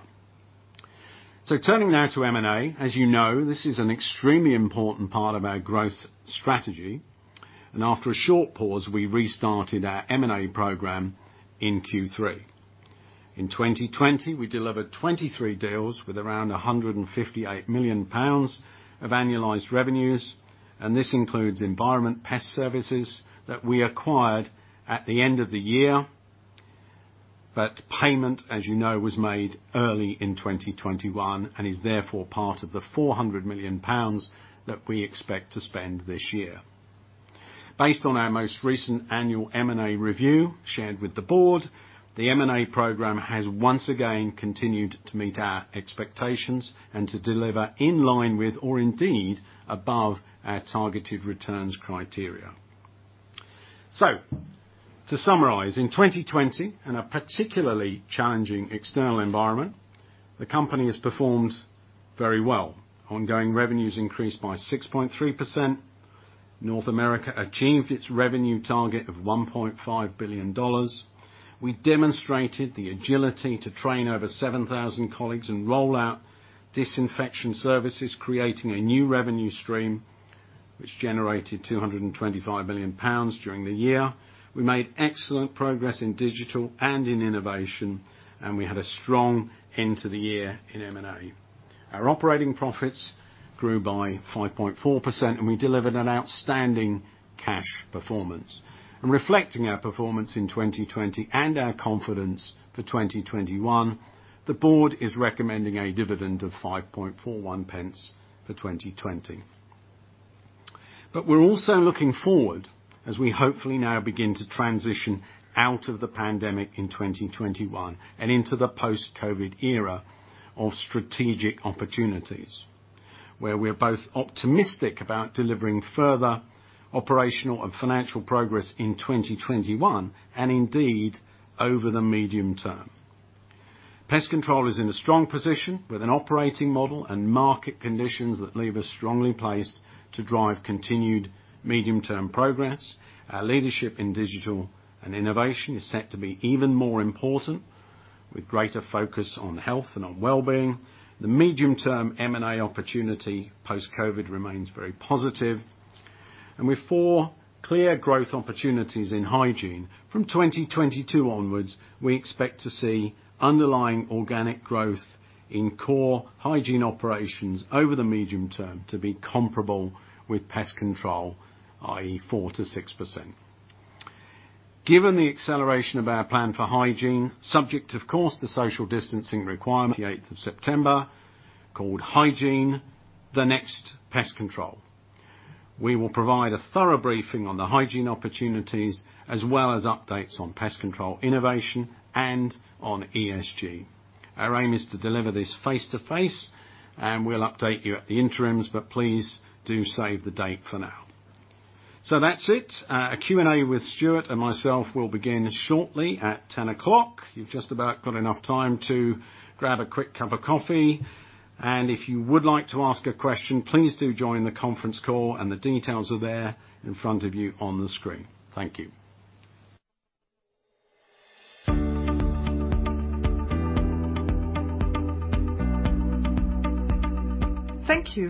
Turning now to M&A, as you know, this is an extremely important part of our growth strategy, and after a short pause, we restarted our M&A program in Q3. In 2020, we delivered 23 deals with around 158 million pounds of annualized revenues, and this includes Environmental Pest Service that we acquired at the end of the year. Payment, as you know, was made early in 2021 and is therefore part of the 400 million pounds that we expect to spend this year. Based on our most recent annual M&A review shared with the board, the M&A program has once again continued to meet our expectations and to deliver in line with, or indeed above our targeted returns criteria. To summarize, in 2020, in a particularly challenging external environment, the company has performed very well. Ongoing revenues increased by 6.3%. North America achieved its revenue target of $1.5 billion. We demonstrated the agility to train over 7,000 colleagues and roll out disinfection services, creating a new revenue stream, which generated 225 million pounds during the year. We made excellent progress in digital and in innovation, and we had a strong end to the year in M&A. Our operating profits grew by 5.4%, and we delivered an outstanding cash performance. Reflecting our performance in 2020 and our confidence for 2021, the board is recommending a dividend of 0.0541 for 2020. We're also looking forward, as we hopefully now begin to transition out of the pandemic in 2021 and into the post-COVID era of strategic opportunities, where we're both optimistic about delivering further operational and financial progress in 2021, and indeed, over the medium term. Pest control is in a strong position with an operating model and market conditions that leave us strongly placed to drive continued medium-term progress. Our leadership in digital and innovation is set to be even more important, with greater focus on health and on wellbeing. The medium-term M&A opportunity post-COVID remains very positive. With four clear growth opportunities in hygiene, from 2022 onwards, we expect to see underlying organic growth in core hygiene operations over the medium term to be comparable with pest control, i.e., 4%-6%. Given the acceleration of our plan for hygiene, subject of course to social distancing requirements, the 8th of September, called Hygiene: The Next Pest Control. We will provide a thorough briefing on the hygiene opportunities as well as updates on pest control innovation and on ESG. Our aim is to deliver this face-to-face, and we'll update you at the interims, but please do save the date for now. That's it. A Q&A with Stuart and myself will begin shortly at 10 o'clock. You've just about got enough time to grab a quick cup of coffee, and if you would like to ask a question, please do join the conference call, and the details are there in front of you on the screen. Thank you. We will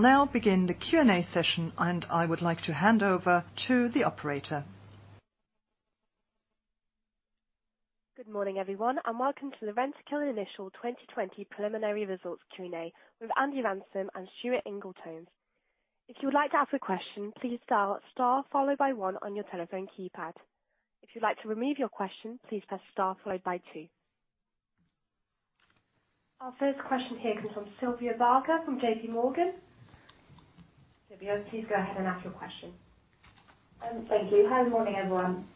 now begin the Q&A session, and I would like to hand over to the operator. Good morning, everyone, and welcome to the Rentokil Initial 2020 preliminary results Q&A with Andy Ransom and Stuart Ingall-Tombs. Our first question here comes from Sylvia Barker from JPMorgan. Sylvia, please go ahead and ask your question. Thank you. Hi, morning, everyone.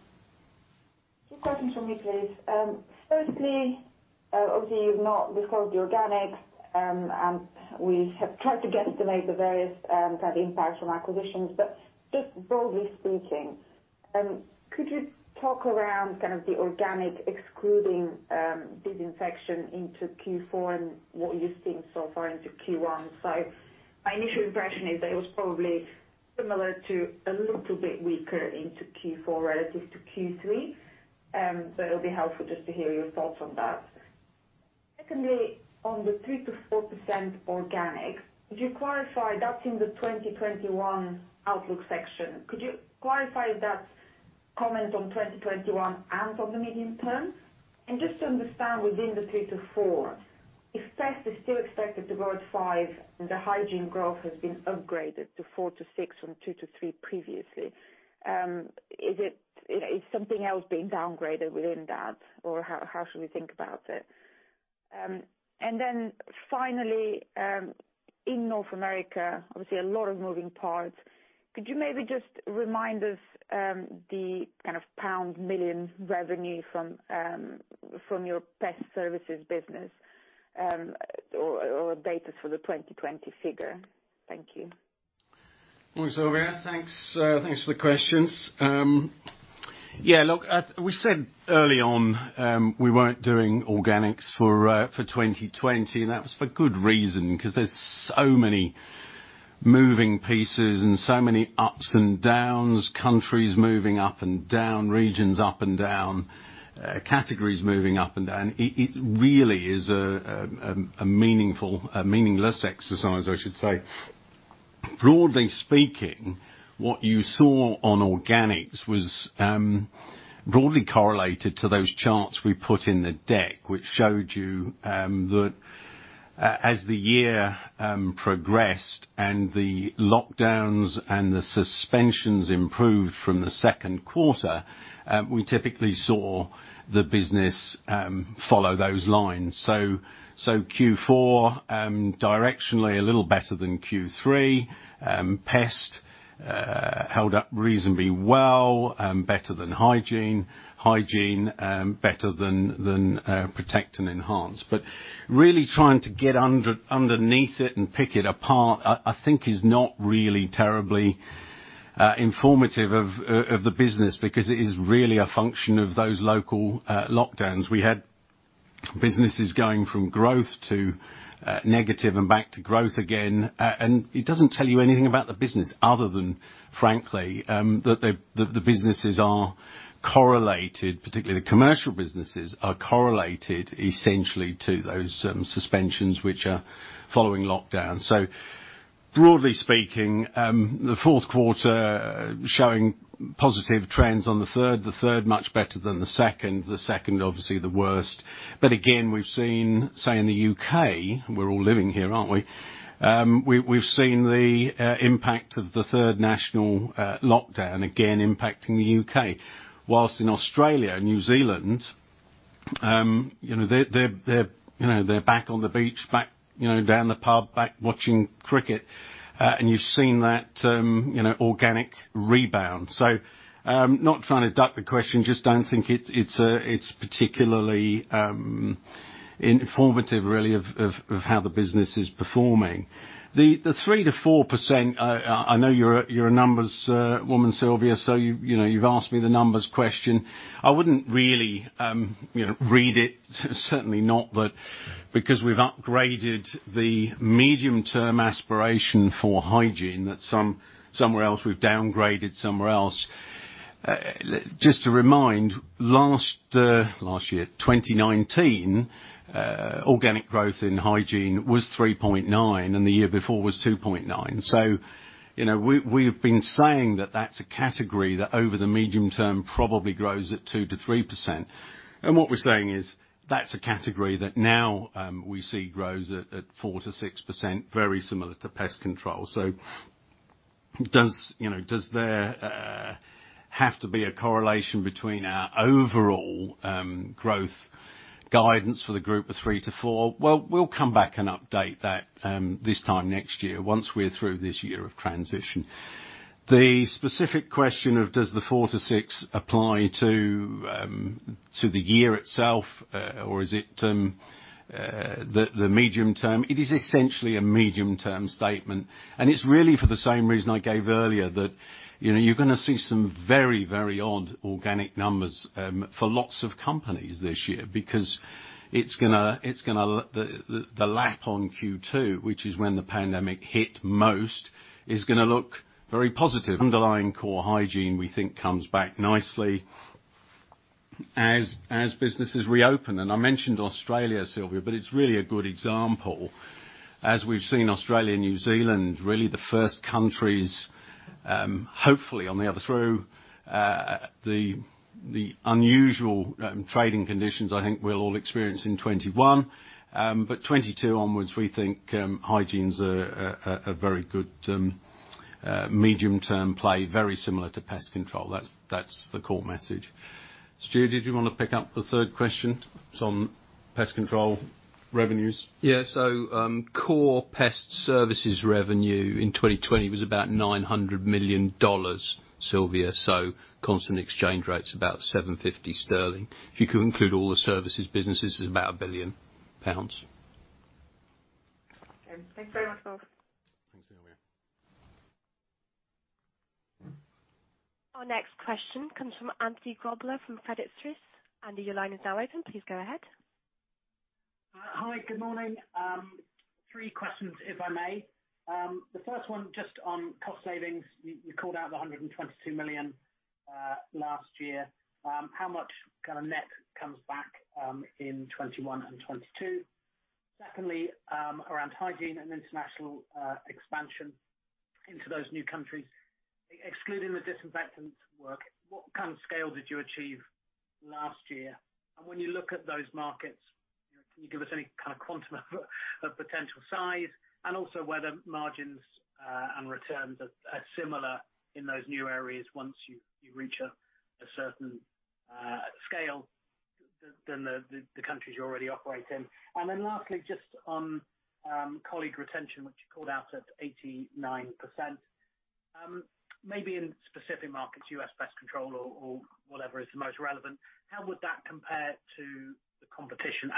Two questions from me, please. Firstly, obviously you've not disclosed the organics, we have tried to guesstimate the various kind of impacts from acquisitions. Just broadly speaking, could you talk around kind of the organic excluding disinfection into Q4 and what you're seeing so far into Q1? My initial impression is that it was probably similar to a little bit weaker into Q4 relative to Q3. It'll be helpful just to hear your thoughts on that. Secondly, on the 3%-4% organics, did you qualify that in the 2021 outlook section? Could you qualify that comment on 2021 and on the medium term? Just to understand within the three to four, if pest is still expected to grow at 5% and the hygiene growth has been upgraded to 4%-6% from 2%-3% previously, is something else being downgraded within that or how should we think about it? Then finally, in North America, obviously a lot of moving parts. Could you maybe just remind us the kind of pound million revenue from your pest services business, or data for the 2020 figure? Thank you. Morning, Sylvia. Thanks for the questions. We said early on, we weren't doing organics for 2020, and that was for good reason, because there's so many moving pieces and so many ups and downs, countries moving up and down, regions up and down, categories moving up and down. It really is a meaningless exercise, I should say. Broadly speaking, what you saw on organics was broadly correlated to those charts we put in the deck, which showed you that as the year progressed and the lockdowns and the suspensions improved from the second quarter, we typically saw the business follow those lines. Q4, directionally a little better than Q3. Pest held up reasonably well, better than hygiene. Hygiene better than Protect and Enhance. Really trying to get underneath it and pick it apart, I think is not really terribly informative of the business because it is really a function of those local lockdowns. We had businesses going from growth to negative and back to growth again. It doesn't tell you anything about the business other than, frankly, that the businesses are correlated, particularly the commercial businesses are correlated essentially to those suspensions which are following lockdown. Broadly speaking, the fourth quarter showing positive trends on the third, the third much better than the second, the second obviously the worst. Again, we've seen, say in the U.K., we're all living here, aren't we? We've seen the impact of the third national lockdown again impacting the U.K., whilst in Australia and New Zealand, they're back on the beach, back down the pub, back watching cricket. You've seen that organic rebound. Not trying to duck the question, just don't think it's particularly informative, really, of how the business is performing. The 3%-4%, I know you're a numbers woman, Sylvia, so you've asked me the numbers question. I wouldn't really read it, certainly not that because we've upgraded the medium-term aspiration for hygiene, that somewhere else we've downgraded somewhere else. Just to remind, last year, 2019, organic growth in hygiene was 3.9%, and the year before was 2.9%. We've been saying that that's a category that over the medium term probably grows at 2%-3%. What we're saying is that's a category that now we see grows at 4%-6%, very similar to pest control. Does there have to be a correlation between our overall growth guidance for the group of 3%-4%? Well, we'll come back and update that this time next year once we're through this year of transition. The specific question of does the 4%-6% apply to the year itself, or is it the medium term? It's really for the same reason I gave earlier that you're going to see some very odd organic numbers for lots of companies this year. The lap on Q2, which is when the pandemic hit most, is going to look very positive. Underlying core hygiene, we think, comes back nicely as businesses reopen. I mentioned Australia, Sylvia, but it's really a good example. We've seen Australia and New Zealand, really the first countries, hopefully on the other through the unusual trading conditions I think we'll all experience in 2021. 2022 onwards, we think hygiene is a very good medium-term play, very similar to pest control. That's the core message. Stuart, did you want to pick up the third question on pest control revenues? Yeah. core pest services revenue in 2020 was about $900 million, Sylvia, constant exchange rates, about 750 sterling. If you include all the services businesses, it's about 1 billion pounds. Okay. Thanks very much, folks. Thanks, Sylvia. Our next question comes from Andy Grobler from Credit Suisse. Andy, your line is now open. Please go ahead. Hi. Good morning. Three questions, if I may. The first one just on cost savings. You called out the 122 million last year. How much net comes back in 2021 and 2022? Secondly, around hygiene and international expansion into those new countries. Excluding the disinfectant work, what kind of scale did you achieve last year? When you look at those markets, can you give us any kind of quantum of potential size and also whether margins and returns are similar in those new areas once you reach a certain scale than the countries you already operate in? Then lastly, just on colleague retention, which you called out at 89%. Maybe in specific markets, U.S. pest control or whatever is the most relevant, how would that compare to the competition?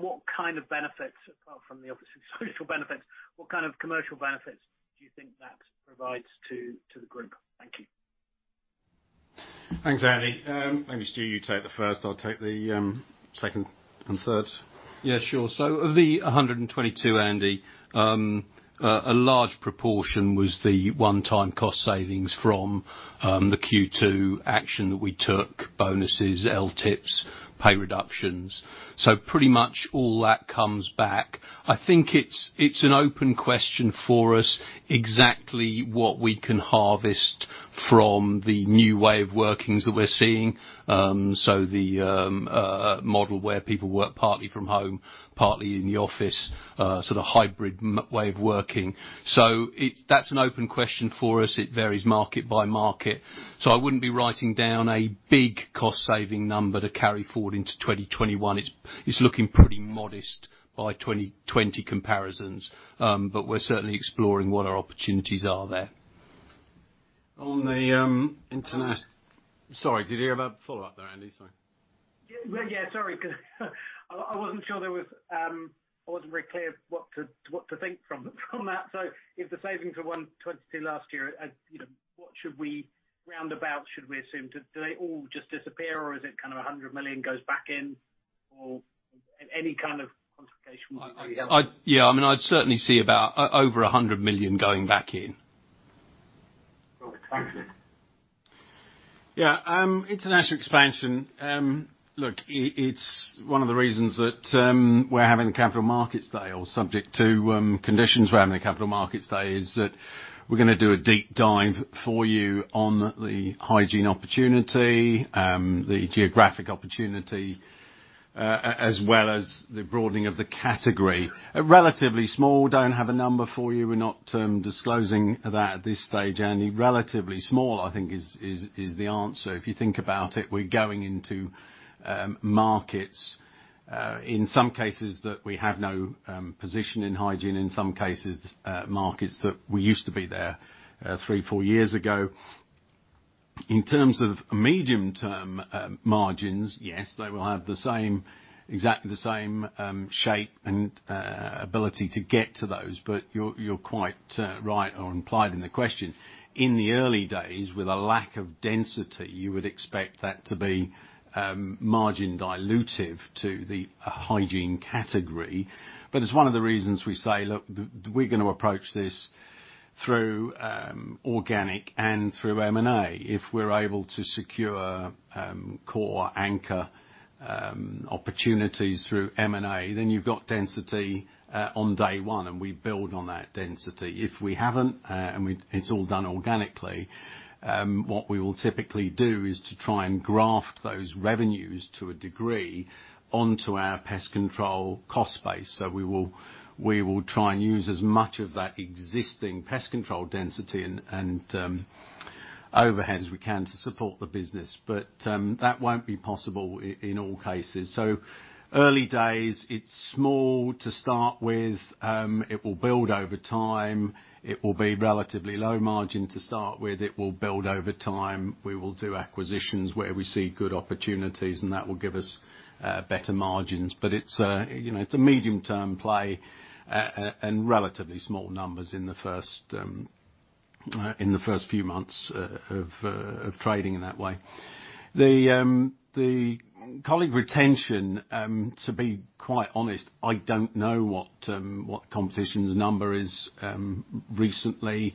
What kind of benefits apart from the obviously social benefits, what kind of commercial benefits do you think that provides to the group? Thank you. Thanks, Andy. Maybe Stuart, you take the first, I'll take the second and third. Yeah, sure. Of the 122, Andy, a large proportion was the one-time cost savings from the Q2 action that we took, bonuses, LTIPs, pay reductions. Pretty much all that comes back. I think it's an open question for us exactly what we can harvest from the new way of workings that we're seeing. The model where people work partly from home, partly in the office, sort of hybrid way of working. That's an open question for us. It varies market by market. I wouldn't be writing down a big cost saving number to carry forward into 2021. It's looking pretty modest by 2020 comparisons. We're certainly exploring what our opportunities are there. On the international. Sorry, did you have a follow-up there, Andy? Sorry. Yeah, sorry. I wasn't very clear what to think from that. If the savings were 122 last year, what should we roundabout should we assume? Do they all just disappear or is it kind of 100 million goes back in or any kind of quantification would be great. Yeah. I'd certainly see about over 100 million going back in. International expansion. It's one of the reasons that we're having a capital markets day, or subject to conditions we're having a capital markets day, is that we're going to do a deep dive for you on the hygiene opportunity, the geographic opportunity, as well as the broadening of the category. Relatively small, don't have a number for you. We're not disclosing that at this stage, Andy. Relatively small, I think, is the answer. If you think about it, we're going into markets, in some cases, that we have no position in hygiene, in some cases, markets that we used to be there three, four years ago. In terms of medium-term margins, yes, they will have exactly the same shape and ability to get to those. You're quite right or implied in the question. In the early days, with a lack of density, you would expect that to be margin dilutive to the hygiene category. It's one of the reasons we say, look, we're going to approach this through organic and through M&A. If we're able to secure core anchor opportunities through M&A, then you've got density on day one, and we build on that density. If we haven't, and it's all done organically, what we will typically do is to try and graft those revenues to a degree onto our pest control cost base. We will try and use as much of that existing pest control density and overhead as we can to support the business. That won't be possible in all cases. Early days, it's small to start with. It will build over time. It will be relatively low margin to start with. It will build over time. We will do acquisitions where we see good opportunities, and that will give us better margins. It's a medium-term play and relatively small numbers in the first few months of trading in that way. The colleague retention, to be quite honest, I don't know what competition's number is recently.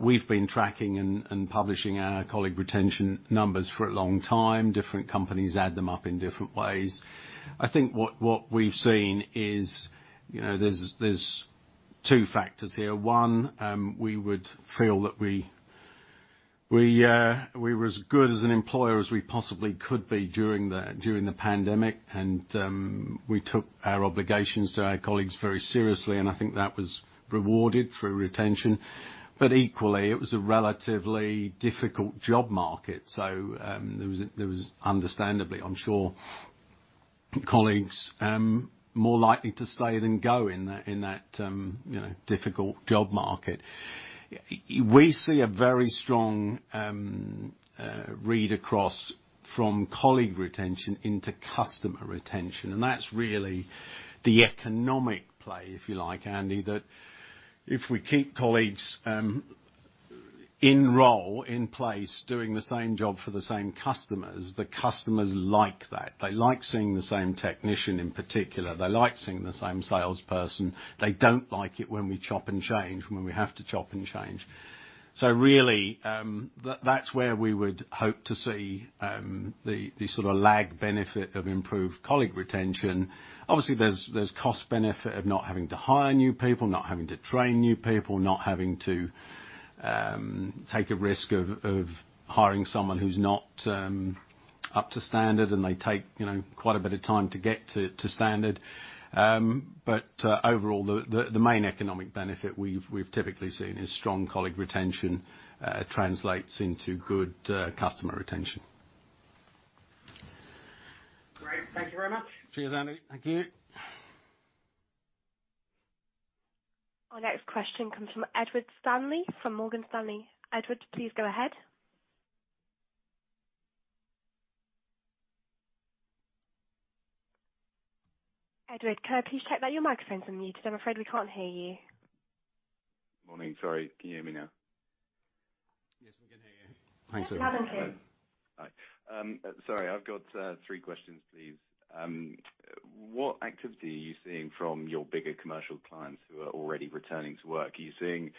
We've been tracking and publishing our colleague retention numbers for a long time. Different companies add them up in different ways. I think what we've seen is there's two factors here. One, we would feel that we were as good as an employer as we possibly could be during the pandemic, and we took our obligations to our colleagues very seriously, and I think that was rewarded through retention. Equally, it was a relatively difficult job market. There was understandably, I'm sure, colleagues more likely to stay than go in that difficult job market. We see a very strong read across from colleague retention into customer retention, and that's really the economic play, if you like, Andy, that if we keep colleagues in role, in place, doing the same job for the same customers, the customers like that. They like seeing the same technician in particular. They like seeing the same salesperson. They don't like it when we chop and change, when we have to chop and change. Really, that's where we would hope to see the sort of lag benefit of improved colleague retention. Obviously, there's cost benefit of not having to hire new people, not having to train new people, not having to take a risk of hiring someone who's not up to standard, and they take quite a bit of time to get to standard. Overall, the main economic benefit we've typically seen is strong colleague retention translates into good customer retention. Great. Thank you very much. Cheers, Andy. Thank you. Our next question comes from Edward Stanley from Morgan Stanley. Edward, please go ahead. Edward, could I please check that your microphone's on mute? I'm afraid we can't hear you. Morning. Sorry. Can you hear me now? Yes, we can hear you. Thanks, Edward. We can hear you. Hi. Sorry, I've got three questions, please. What activity are you seeing from your bigger commercial clients who are already returning to work? Are you seeing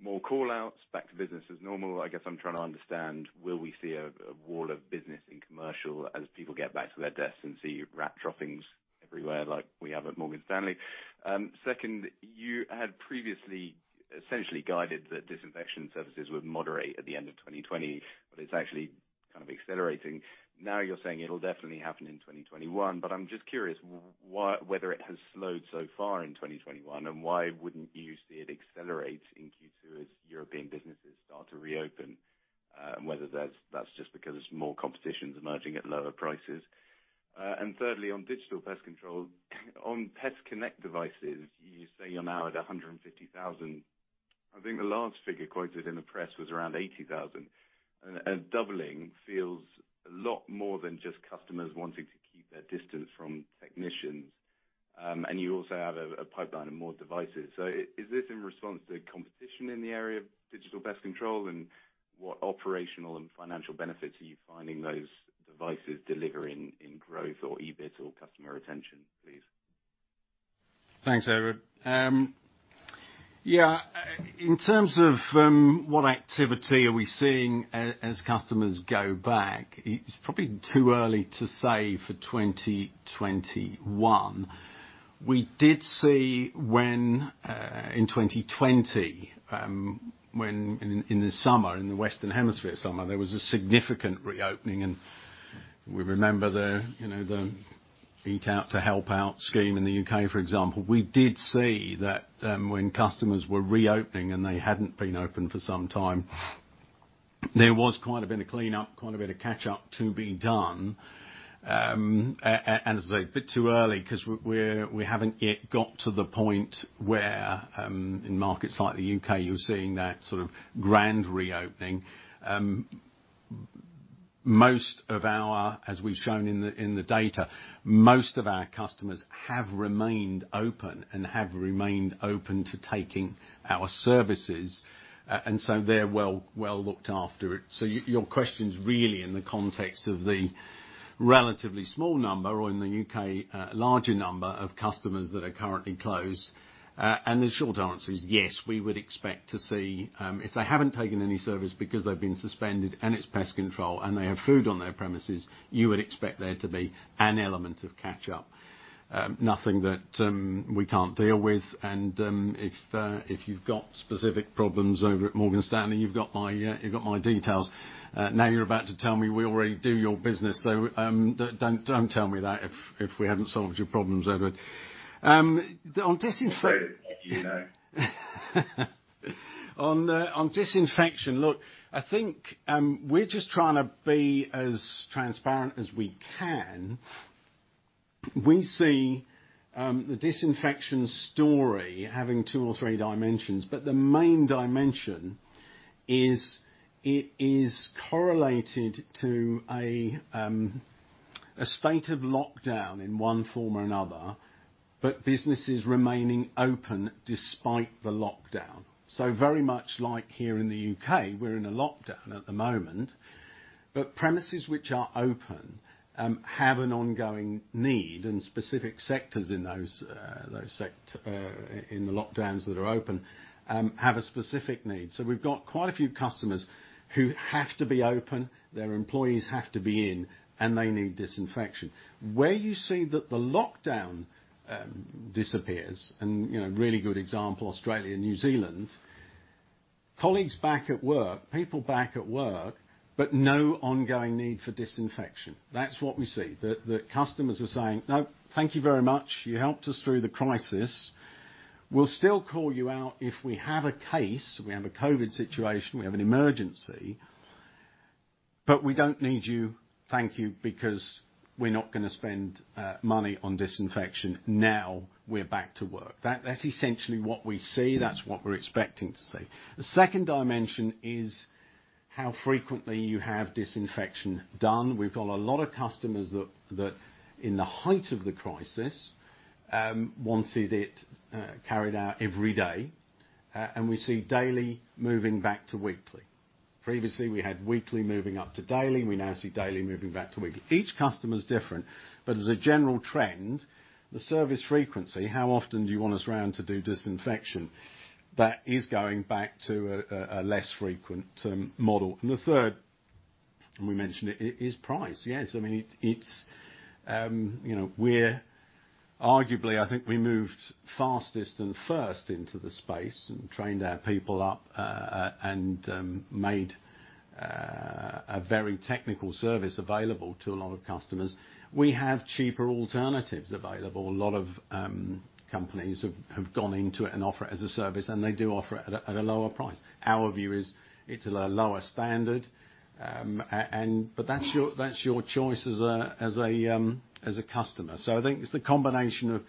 more call-outs back to business as normal? I guess I'm trying to understand, will we see a wall of business in commercial as people get back to their desks and see rat droppings everywhere like we have at Morgan Stanley? Second, you had previously essentially guided that disinfection services would moderate at the end of 2020, but it's actually kind of accelerating. Now you're saying it'll definitely happen in 2021, but I'm just curious whether it has slowed so far in 2021, and why wouldn't you see it accelerate in Q2 as European businesses start to reopen, and whether that's just because there's more competitions emerging at lower prices. Thirdly, on digital pest control. On PestConnect devices, you say you're now at 150,000. I think the last figure quoted in the press was around 80,000. A doubling feels a lot more than just customers wanting to keep their distance from technicians. You also have a pipeline of more devices. Is this in response to competition in the area of digital pest control? What operational and financial benefits are you finding those devices deliver in growth or EBIT or customer retention, please? Thanks, Edward. Yeah. In terms of what activity are we seeing as customers go back, it's probably too early to say for 2021. We did see when, in 2020, when in the summer, in the Western Hemisphere summer, there was a significant reopening, and we remember the Eat Out to Help Out scheme in the U.K., for example. We did see that when customers were reopening, and they hadn't been open for some time, there was quite a bit of cleanup, quite a bit of catch-up to be done. As I say, a bit too early, because we haven't yet got to the point where, in markets like the U.K., you're seeing that sort of grand reopening. Most of our, as we've shown in the data, most of our customers have remained open and have remained open to taking our services, and so they're well looked after. Your question is really in the context of the relatively small number, or in the U.K., larger number of customers that are currently closed. The short answer is, yes, we would expect to see, if they haven't taken any service because they've been suspended, and it's pest control, and they have food on their premises, you would expect there to be an element of catch-up. Nothing that we can't deal with. If you've got specific problems over at Morgan Stanley, you've got my details. You're about to tell me we already do your business, so don't tell me that if we haven't solved your problems, Edward. On disinfection. I would let you know. On disinfection, look, I think we're just trying to be as transparent as we can. We see the disinfection story having two or three dimensions, but the main dimension is it is correlated to a state of lockdown in one form or another, but businesses remaining open despite the lockdown. Very much like here in the U.K., we're in a lockdown at the moment, but premises which are open have an ongoing need, and specific sectors in the lockdowns that are open, have a specific need. We've got quite a few customers who have to be open, their employees have to be in, and they need disinfection. Where you see that the lockdown disappears, and really good example, Australia and New Zealand, colleagues back at work, people back at work, but no ongoing need for disinfection. That's what we see, that customers are saying, "No, thank you very much. You helped us through the crisis. We'll still call you out if we have a case, we have a COVID situation, we have an emergency, but we don't need you, thank you, because we're not going to spend money on disinfection now we're back to work." That's essentially what we see. That's what we're expecting to see. The second dimension is how frequently you have disinfection done. We've got a lot of customers that in the height of the crisis, wanted it carried out every day, and we see daily moving back to weekly. Previously, we had weekly moving up to daily. We now see daily moving back to weekly. Each customer is different, but as a general trend, the service frequency, how often do you want us around to do disinfection? That is going back to a less frequent model. The third, and we mentioned it, is price. Yes. Arguably, I think we moved fastest and first into the space, and trained our people up, and made a very technical service available to a lot of customers. We have cheaper alternatives available. A lot of companies have gone into it and offer it as a service, and they do offer it at a lower price. Our view is it's at a lower standard. That's your choice as a customer. I think it's the combination of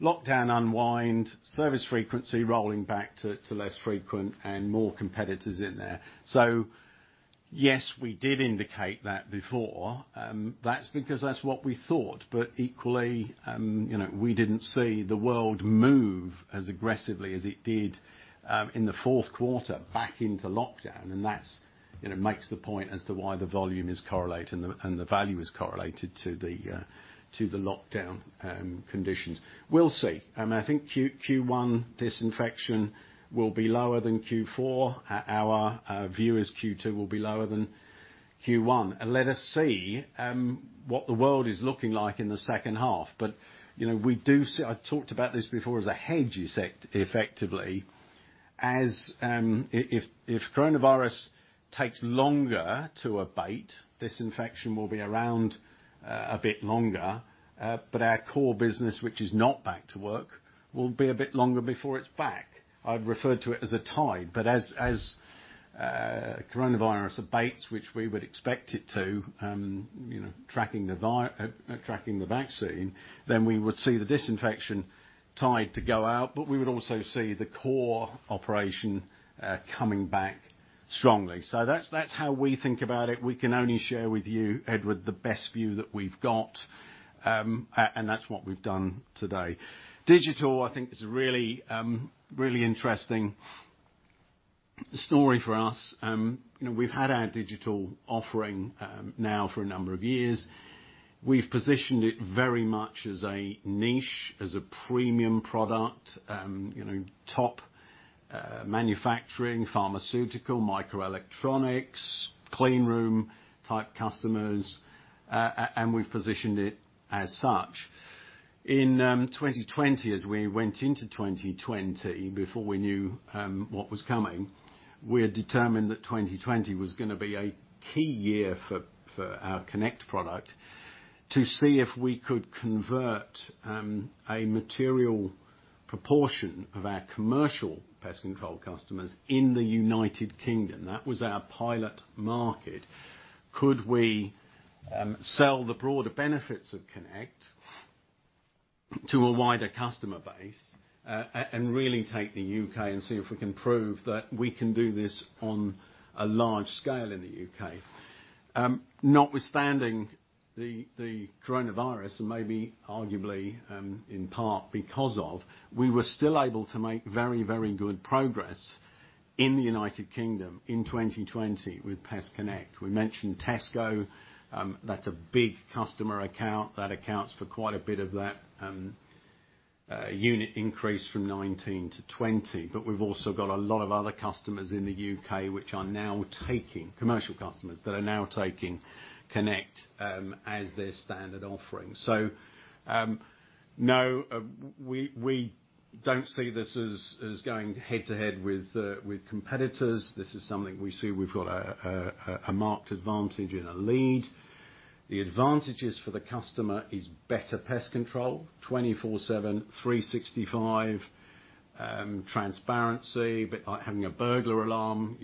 lockdown unwind, service frequency rolling back to less frequent, and more competitors in there. Yes, we did indicate that before. That's because that's what we thought. Equally, we didn't see the world move as aggressively as it did in the fourth quarter back into lockdown. That makes the point as to why the volume is correlated, and the value is correlated to the lockdown conditions. We'll see. I think Q1 disinfection will be lower than Q4. Our view is Q2 will be lower than Q1. Let us see what the world is looking like in the second half. I talked about this before as a hedge, effectively. If coronavirus takes longer to abate, disinfection will be around a bit longer. Our core business, which is not back to work, will be a bit longer before it's back. I've referred to it as a tide. As coronavirus abates, which we would expect it to, tracking the vaccine, then we would see the disinfection tide to go out, but we would also see the core operation coming back strongly. That's how we think about it. We can only share with you, Edward, the best view that we've got, and that's what we've done today. Digital, I think, is really interesting. The story for us, we've had our digital offering now for a number of years. We've positioned it very much as a niche, as a premium product. Top manufacturing, pharmaceutical, microelectronics, clean room type customers, and we've positioned it as such. In 2020, as we went into 2020, before we knew what was coming, we had determined that 2020 was going to be a key year for our Connect product to see if we could convert a material proportion of our commercial pest control customers in the U.K. That was our pilot market. Could we sell the broader benefits of Connect to a wider customer base, and really take the U.K. and see if we can prove that we can do this on a large scale in the U.K.? Notwithstanding the Coronavirus, and maybe arguably, in part because of, we were still able to make very, very good progress in the United Kingdom in 2020 with PestConnect. We mentioned Tesco. That's a big customer account. That accounts for quite a bit of that unit increase from 2019 to 2020. We've also got a lot of other customers in the U.K., commercial customers, that are now taking Connect as their standard offering. No, we don't see this as going head-to-head with competitors. This is something we see we've got a marked advantage and a lead. The advantages for the customer is better pest control, 24/7, 365 transparency. A bit like having a burglar alarm,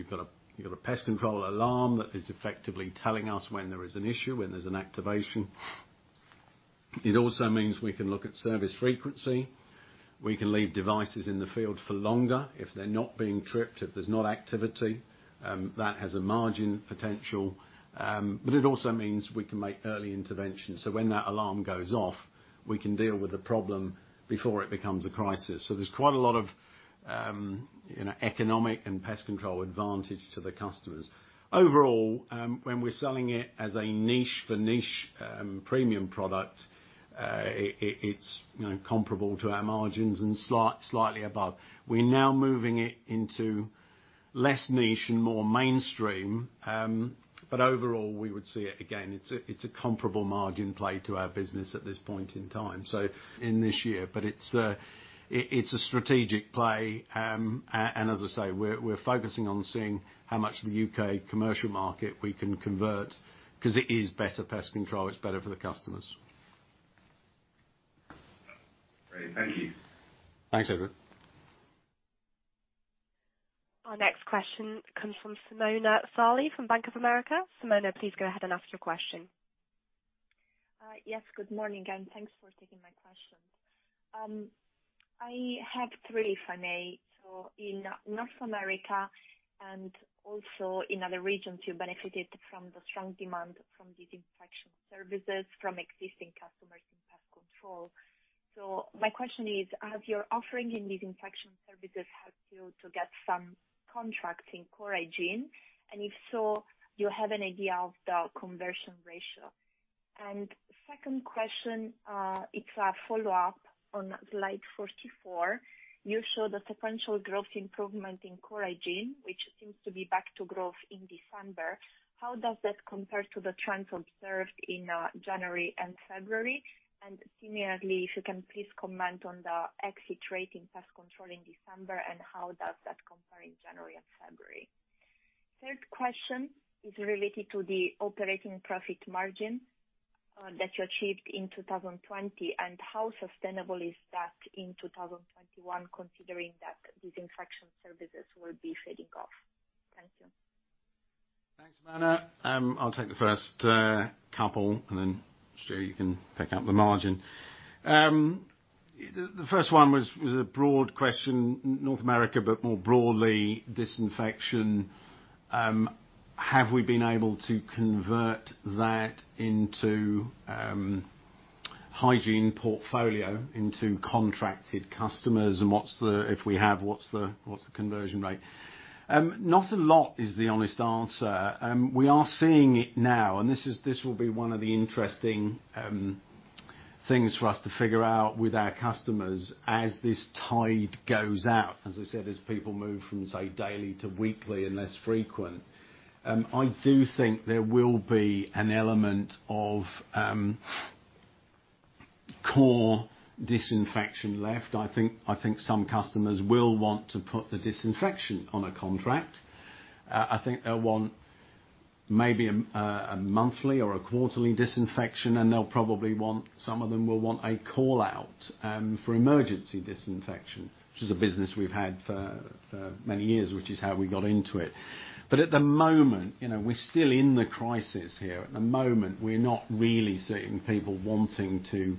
you've got a pest control alarm that is effectively telling us when there is an issue, when there's an activation. It also means we can look at service frequency. We can leave devices in the field for longer if they're not being tripped, if there's no activity. That has a margin potential. It also means we can make early intervention. When that alarm goes off, we can deal with the problem before it becomes a crisis. There's quite a lot of economic and pest control advantage to the customers. Overall, when we're selling it as a niche for niche premium product, it's comparable to our margins and slightly above. We're now moving it into less niche and more mainstream. Overall, we would see it again, it's a comparable margin play to our business at this point in time. In this year. It's a strategic play, and as I say, we're focusing on seeing how much of the U.K. commercial market we can convert, because it is better pest control. It's better for the customers. Great. Thank you. Thanks, Edward. Our next question comes from Simona Sarli from Bank of America. Simona, please go ahead and ask your question. Yes, good morning, and thanks for taking my questions. I have three if I may. In North America and also in other regions, you benefited from the strong demand from disinfection services from existing customers in pest control. My question is, has your offering in disinfection services helped you to get some contracts in core hygiene? If so, you have an idea of the conversion ratio? Second question, it's a follow-up on slide 44. You show the sequential growth improvement in core hygiene, which seems to be back to growth in December. How does that compare to the trends observed in January and February? Similarly, if you can please comment on the exit rate in pest control in December, and how does that compare in January and February? Third question is related to the operating profit margin that you achieved in 2020, and how sustainable is that in 2021, considering that disinfection services will be fading off. Thank you. Thanks, Simona. I'll take the first couple, and then Stu, you can pick up the margin. The first one was a broad question. North America, but more broadly, disinfection. Have we been able to convert that into hygiene portfolio, into contracted customers, and if we have, what's the conversion rate? Not a lot is the honest answer. We are seeing it now, and this will be one of the interesting things for us to figure out with our customers as this tide goes out, as I said, as people move from, say, daily to weekly and less frequent. I do think there will be an element of core disinfection left. I think some customers will want to put the disinfection on a contract. I think they'll want maybe a monthly or a quarterly disinfection. They'll probably want, some of them will want a call-out for emergency disinfection, which is a business we've had for many years, which is how we got into it. At the moment, we're still in the crisis here. At the moment, we're not really seeing people wanting to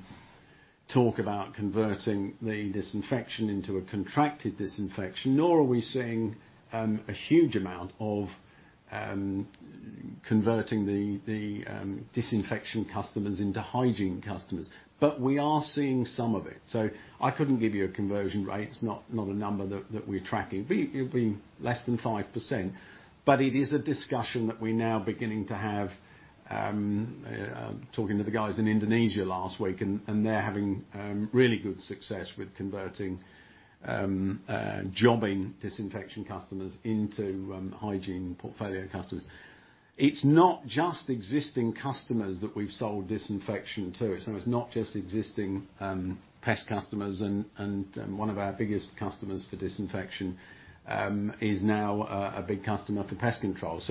talk about converting the disinfection into a contracted disinfection, nor are we seeing a huge amount of converting the disinfection customers into hygiene customers. We are seeing some of it. I couldn't give you a conversion rate, it's not a number that we're tracking. It would be less than 5%. It is a discussion that we're now beginning to have, talking to the guys in Indonesia last week, and they're having really good success with converting jobbing disinfection customers into hygiene portfolio customers. It's not just existing customers that we've sold disinfection to. It's not just existing pest customers, and one of our biggest customers for disinfection is now a big customer for pest control.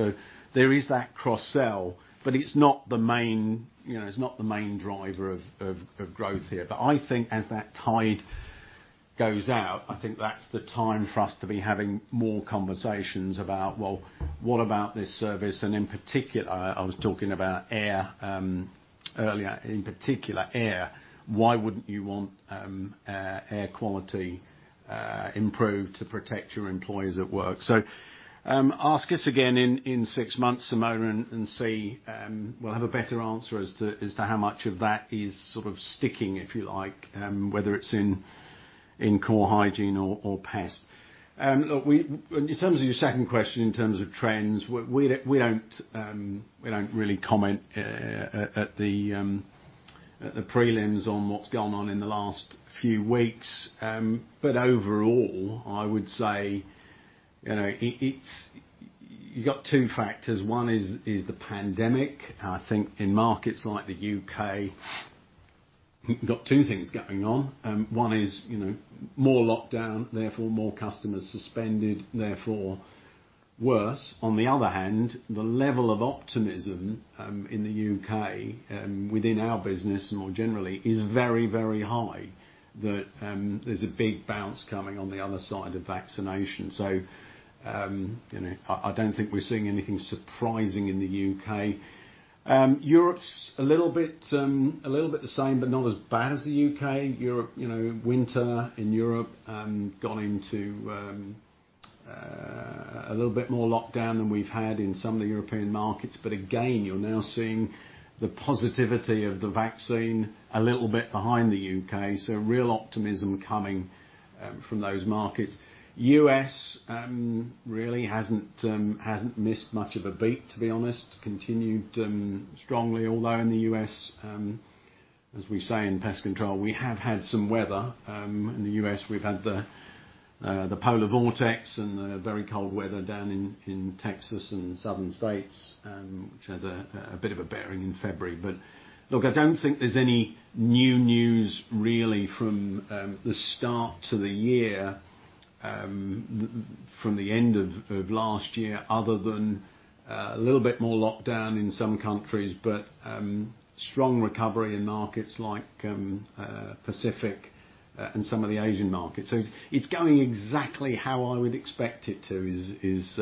There is that cross sell, but it's not the main driver of growth here. I think as that tide goes out, I think that's the time for us to be having more conversations about, well, what about this service? In particular, I was talking about air earlier. In particular air, why wouldn't you want air quality improved to protect your employees at work? Ask us again in six months, Simona, and see, we'll have a better answer as to how much of that is sort of sticking, if you like, whether it's in core hygiene or pest. Look, in terms of your second question in terms of trends, we don't really comment at the prelims on what's gone on in the last few weeks. Overall, I would say, you got two factors. One is the pandemic. I think in markets like the U.K., you've got two things going on. One is more lockdown, therefore more customers suspended, therefore worse. On the other hand, the level of optimism in the U.K., within our business more generally, is very high that there's a big bounce coming on the other side of vaccination. I don't think we're seeing anything surprising in the U.K. Europe's a little bit the same, not as bad as the U.K. Winter in Europe gone into a little bit more lockdown than we've had in some of the European markets. Again, you're now seeing the positivity of the vaccine a little bit behind the U.K., real optimism coming from those markets. U.S. really hasn't missed much of a beat, to be honest. Continued strongly. Although in the U.S., as we say in pest control, we have had some weather. In the U.S. we've had the polar vortex and the very cold weather down in Texas and southern states, which has a bit of a bearing in February. Look, I don't think there's any new news really from the start to the year, from the end of last year, other than a little bit more lockdown in some countries. Strong recovery in markets like Pacific and some of the Asian markets. It's going exactly how I would expect it to, is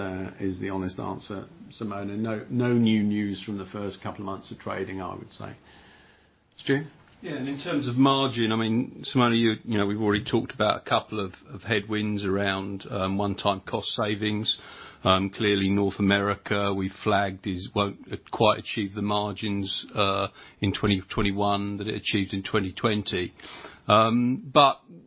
the honest answer, Simona. No new news from the first couple of months of trading, I would say. Stu? In terms of margin, Simona, we've already talked about a couple of headwinds around one-time cost savings. Clearly North America, we flagged, won't quite achieve the margins in 2021 that it achieved in 2020.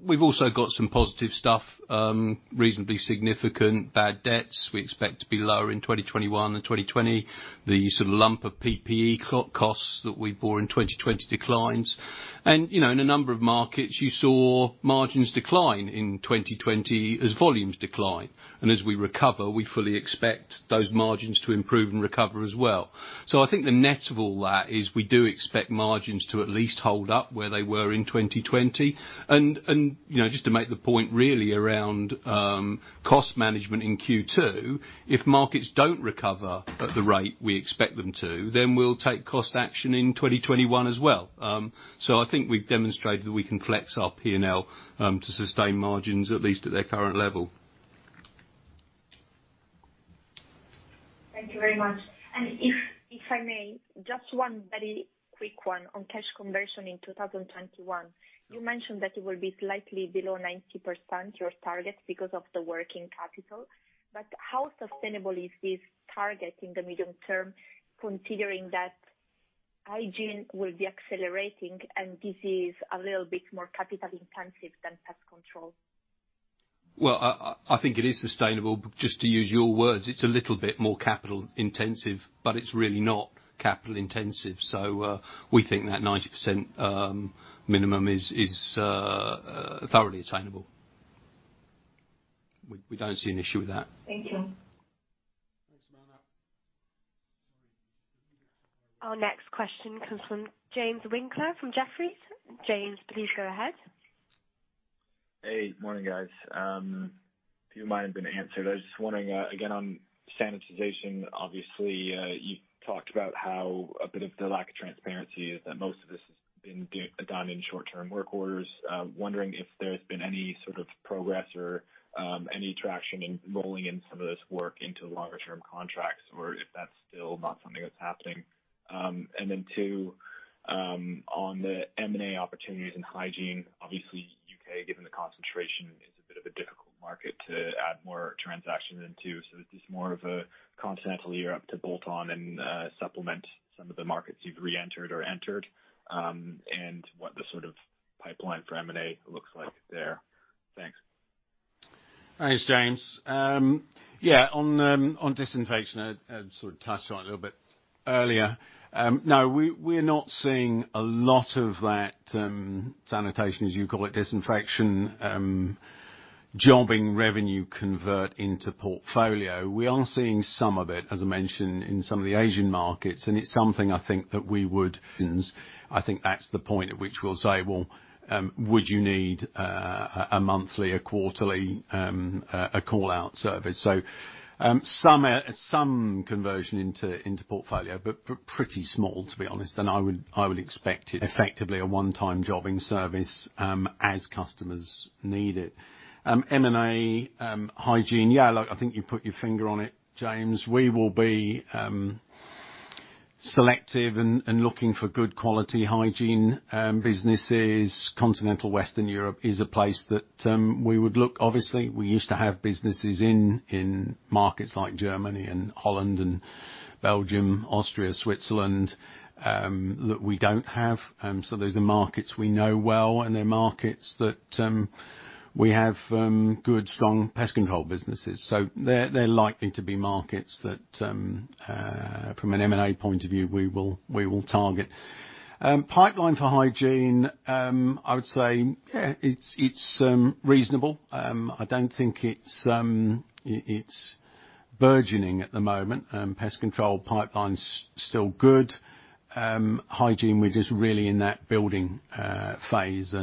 We've also got some positive stuff, reasonably significant. Bad debts we expect to be lower in 2021 than 2020. The sort of lump of PPE costs that we bore in 2020 declines. In a number of markets you saw margins decline in 2020 as volumes decline. As we recover, we fully expect those margins to improve and recover as well. I think the net of all that is we do expect margins to at least hold up where they were in 2020. Just to make the point really around cost management in Q2, if markets don't recover at the rate we expect them to, then we'll take cost action in 2021 as well. I think we've demonstrated that we can flex our P&L to sustain margins, at least at their current level. Thank you very much. If I may, just one very quick one on cash conversion in 2021. You mentioned that it will be slightly below 90%, your target, because of the working capital. How sustainable is this target in the medium term, considering that hygiene will be accelerating and this is a little bit more capital intensive than pest control? Well, I think it is sustainable. Just to use your words, it's a little bit more capital intensive. It's really not capital intensive. We think that 90% minimum is thoroughly attainable. We don't see an issue with that. Thank you. Thanks, Simona. Sorry. Our next question comes from James Winckler from Jefferies. James, please go ahead. Hey. Morning, guys. A few of mine have been answered. I was just wondering, again, on sanitization, obviously, you talked about how a bit of the lack of transparency is that most of this has been done in short-term work orders. Wondering if there's been any sort of progress or any traction in rolling in some of this work into longer term contracts or if that's still not something that's happening. Then two, on the M&A opportunities in hygiene, obviously U.K., given the concentration, is a bit of a difficult market to add more transactions into. Is this more of a continental Europe to bolt on and supplement some of the markets you've reentered or entered, and what the sort of pipeline for M&A looks like there? Thanks. Thanks, James. Yeah, on disinfection, I sort of touched on it a little bit earlier. No, we're not seeing a lot of that sanitation, as you call it, disinfection jobbing revenue convert into portfolio. We are seeing some of it, as I mentioned, in some of the Asian markets, and it's something I think that's the point at which we'll say, "Well, would you need a monthly, a quarterly, a call-out service?" Some conversion into portfolio, but pretty small, to be honest. Effectively a one-time jobbing service, as customers need it. M&A hygiene. Yeah, look, I think you put your finger on it, James. We will be selective and looking for good quality hygiene businesses. Continental Western Europe is a place that we would look, obviously. We used to have businesses in markets like Germany and Holland and Belgium, Austria, Switzerland, that we don't have. Those are markets we know well, and they're markets that we have good, strong pest control businesses. They're likely to be markets that from an M&A point of view, we will target. Pipeline for hygiene. I would say it's reasonable. I don't think it's burgeoning at the moment. Pest control pipeline's still good. Hygiene, we're just really in that building phase.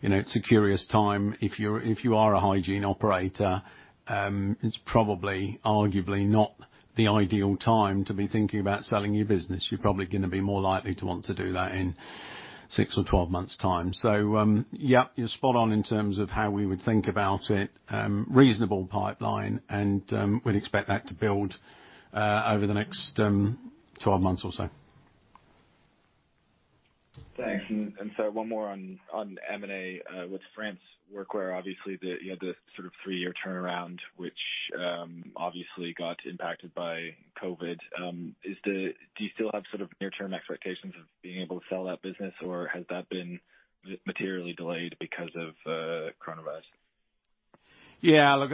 It's a curious time if you are a hygiene operator, it's probably arguably not the ideal time to be thinking about selling your business. You're probably going to be more likely to want to do that in six or 12 months' time. Yeah, you're spot on in terms of how we would think about it. Reasonable pipeline and we'd expect that to build over the next 12 months or so. Thanks. One more on M&A with France Workwear, obviously, you had the sort of three-year turnaround, which obviously got impacted by COVID. Do you still have sort of near-term expectations of being able to sell that business, or has that been materially delayed because of Coronavirus? Look,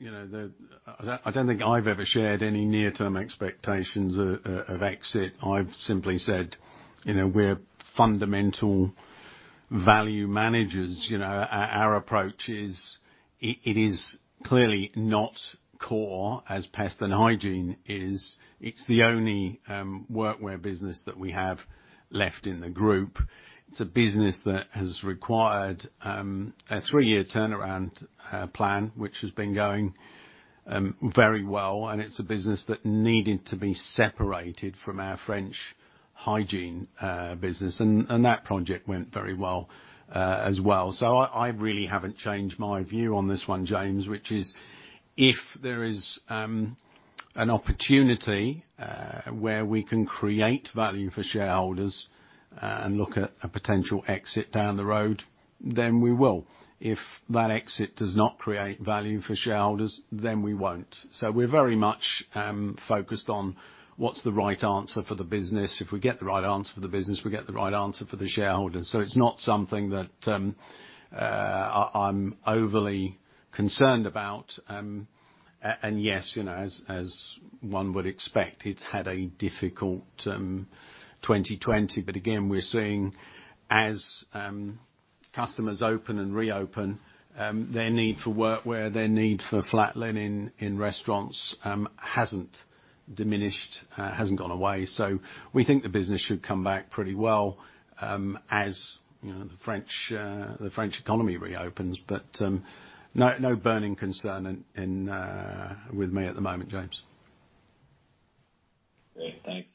I don't think I've ever shared any near-term expectations of exit. I've simply said we're fundamental value managers. Our approach is it is clearly not core as pest and hygiene is. It's the only workwear business that we have left in the group. It's a business that has required a three-year turnaround plan, which has been going very well. It's a business that needed to be separated from our French hygiene business. That project went very well as well. I really haven't changed my view on this one, James, which is if there is an opportunity where we can create value for shareholders and look at a potential exit down the road, then we will. If that exit does not create value for shareholders, then we won't. We're very much focused on what's the right answer for the business. If we get the right answer for the business, we get the right answer for the shareholders. It's not something that I'm overly concerned about. Yes, as one would expect, it had a difficult 2020. Again, we're seeing as customers open and reopen, their need for workwear, their need for flat linen in restaurants hasn't diminished, hasn't gone away. We think the business should come back pretty well, as the French economy reopens. No burning concern with me at the moment, James. Great. Thanks.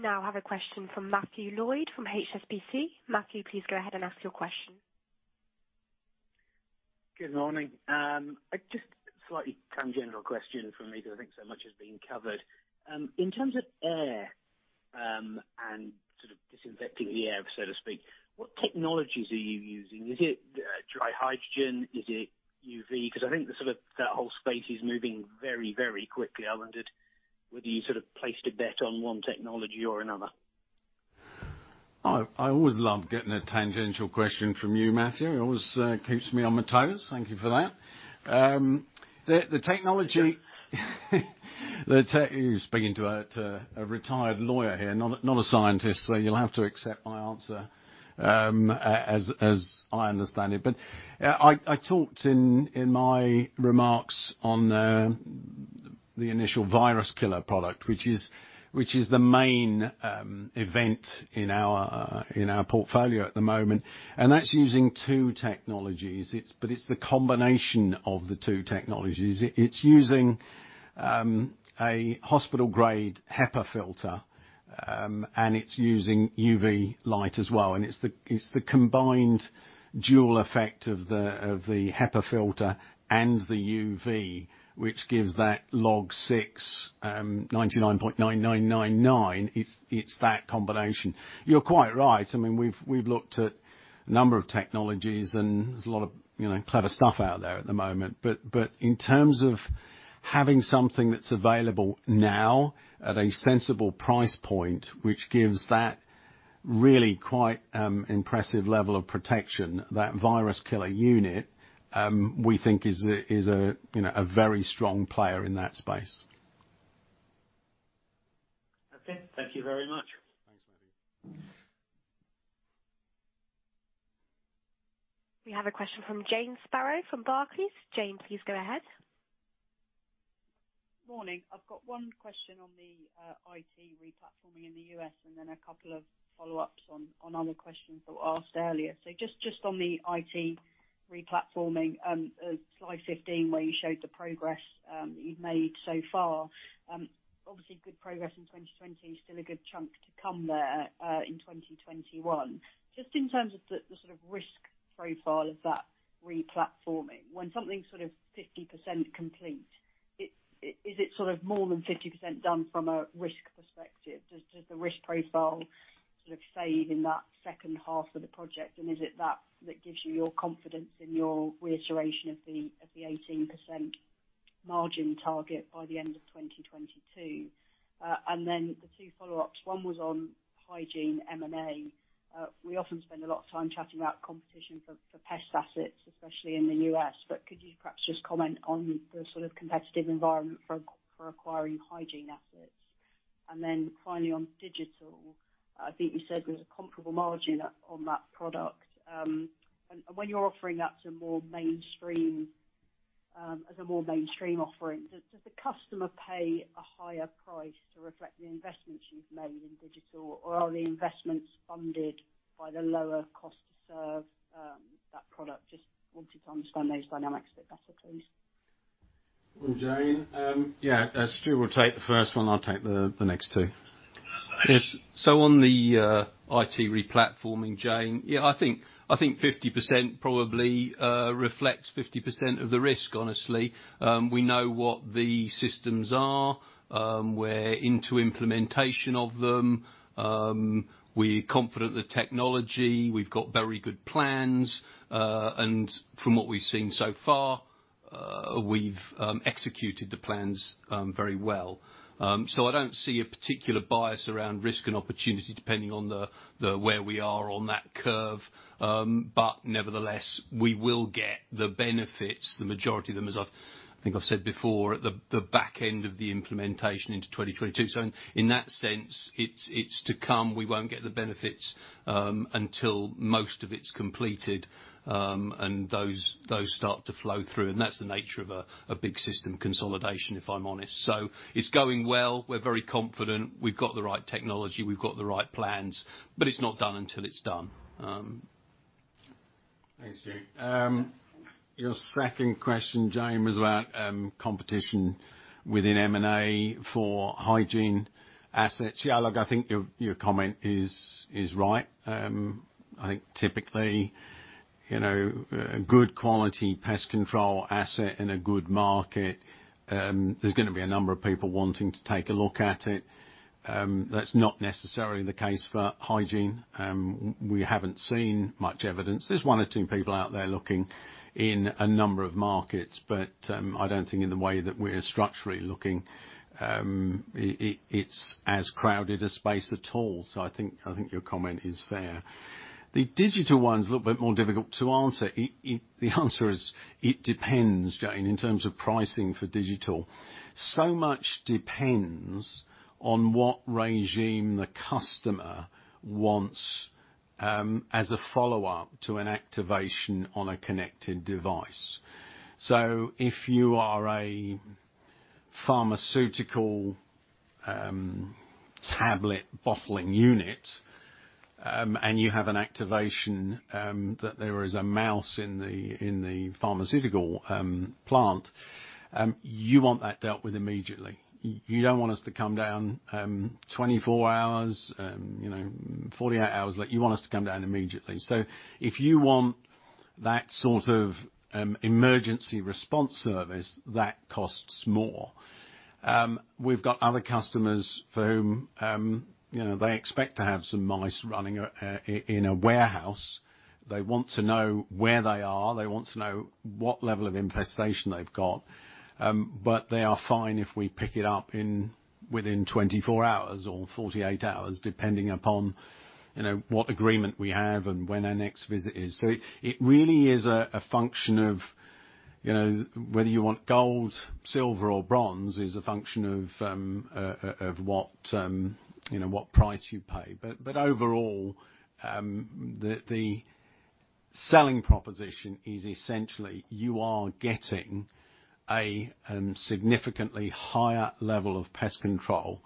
Cheers. We now have a question from Matthew Lloyd from HSBC. Matthew, please go ahead and ask your question. Good morning. Just slightly tangential question from me because I think so much has been covered. In terms of air and sort of disinfecting the air, so to speak, what technologies are you using? Is it dry hydrogen? Is it UV? I think the sort of that whole space is moving very, very quickly. I wondered whether you sort of placed a bet on one technology or another. I always love getting a tangential question from you, Matthew. It always keeps me on my toes. Thank you for that. You're speaking to a retired lawyer here, not a scientist. You'll have to accept my answer as I understand it. I talked in my remarks on the Initial VIRUSKILLER product, which is the main event in our portfolio at the moment. That's using two technologies. It's the combination of the two technologies. It's using a hospital-grade HEPA filter. It's using UV light as well. It's the combined dual effect of the HEPA filter and the UV, which gives that log 6,99.9999. It's that combination. You're quite right. I mean, we've looked at a number of technologies. There's a lot of clever stuff out there at the moment. In terms of having something that's available now at a sensible price point, which gives that really quite impressive level of protection. That VIRUSKILLER unit, we think is a very strong player in that space. Okay. Thank you very much. Thanks, Matthew. We have a question from Jane Sparrow from Barclays. Jane, please go ahead. Morning. I've got one question on the IT replatforming in the U.S., and then a couple of follow-ups on other questions that were asked earlier. Just on the IT replatforming, slide 15, where you showed the progress that you've made so far. Obviously good progress in 2020, still a good chunk to come there in 2021. Just in terms of the sort of risk profile of that replatforming, when something's sort of 50% complete, is it sort of more than 50% done from a risk perspective? Does the risk profile sort of save in that second half of the project? Is it that that gives you your confidence in your reiteration of the 18% margin target by the end of 2022? Then the two follow-ups, one was on hygiene M&A. We often spend a lot of time chatting about competition for pest assets, especially in the U.S. Could you perhaps just comment on the sort of competitive environment for acquiring hygiene assets? Finally on digital, I think you said there was a comparable margin on that product. When you're offering that as a more mainstream offering, does the customer pay a higher price to reflect the investments you've made in digital? Or are the investments funded by the lower cost to serve that product? Just wanted to understand those dynamics a bit better, please. Jane. Yeah. Stu will take the first one, I'll take the next two. Yes. On the IT replatforming, Jane, yeah, I think 50% probably reflects 50% of the risk, honestly. We know what the systems are. We're into implementation of them. We're confident the technology, we've got very good plans. From what we've seen so far, we've executed the plans very well. I don't see a particular bias around risk and opportunity, depending on the where we are on that curve. Nevertheless, we will get the benefits, the majority of them, as I think I've said before, at the back end of the implementation into 2022. In that sense, it's to come. We won't get the benefits until most of it's completed, and those start to flow through. That's the nature of a big system consolidation, if I'm honest. It's going well. We're very confident. We've got the right technology. We've got the right plans. It's not done until it's done. Thanks, Jane. Your second question, Jane, was about competition within M&A for hygiene assets. Yeah, look, I think your comment is right. I think typically, a good quality pest control asset in a good market, there's going to be a number of people wanting to take a look at it. That's not necessarily the case for hygiene. We haven't seen much evidence. There's one or two people out there looking in a number of markets, but I don't think in the way that we're structurally looking, it's as crowded a space at all. I think your comment is fair. The digital one's a little bit more difficult to answer. The answer is it depends, Jane, in terms of pricing for digital. So much depends on what regime the customer wants as a follow-up to an activation on a connected device. If you are a pharmaceutical tablet bottling unit, and you have an activation that there is a mouse in the pharmaceutical plant, you want that dealt with immediately. You don't want us to come down 24 hours, 48 hours. You want us to come down immediately. If you want that sort of emergency response service, that costs more. We've got other customers for whom they expect to have some mice running in a warehouse. They want to know where they are. They want to know what level of infestation they've got. They are fine if we pick it up within 24 hours or 48 hours, depending upon what agreement we have and when our next visit is. It really is a function of whether you want gold, silver or bronze is a function of what price you pay. Overall, the selling proposition is essentially you are getting a significantly higher level of pest control.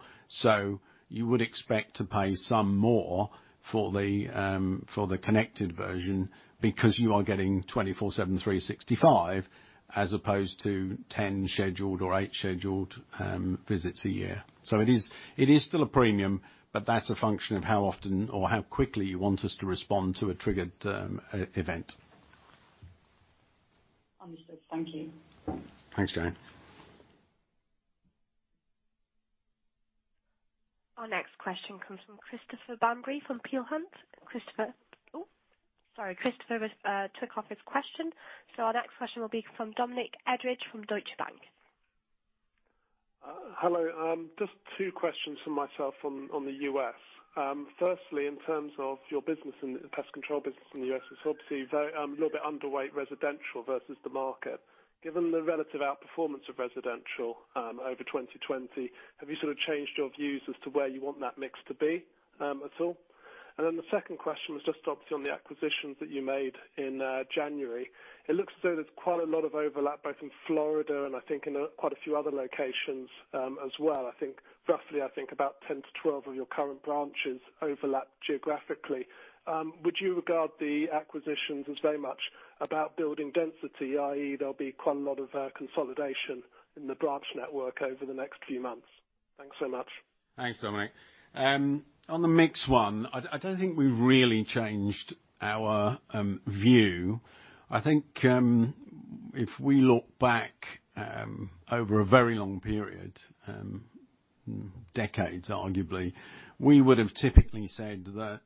You would expect to pay some more for the connected version because you are getting 24/7, 365 as opposed to 10 scheduled or eight scheduled visits a year. It is still a premium, but that's a function of how often or how quickly you want us to respond to a triggered event. Understood. Thank you. Thanks, Jane. Our next question comes from Christopher Bamberry from Peel Hunt. Christopher. Oh, sorry. Christopher took off his question. Our next question will be from Dominic Edridge from Deutsche Bank. Hello. Just two questions from myself on the U.S. Firstly, in terms of your pest control business in the U.S., it's obviously a little bit underweight residential versus the market. Given the relative outperformance of residential over 2020, have you sort of changed your views as to where you want that mix to be at all? The second question was just obviously on the acquisitions that you made in January. It looks as though there's quite a lot of overlap, both in Florida and I think in quite a few other locations as well. Roughly, I think about 10-12 of your current branches overlap geographically. Would you regard the acquisitions as very much about building density, i.e., there'll be quite a lot of consolidation in the branch network over the next few months? Thanks so much. Thanks, Dominic. On the mix one, I don't think we've really changed our view. I think if we look back over a very long period, decades arguably, we would have typically said that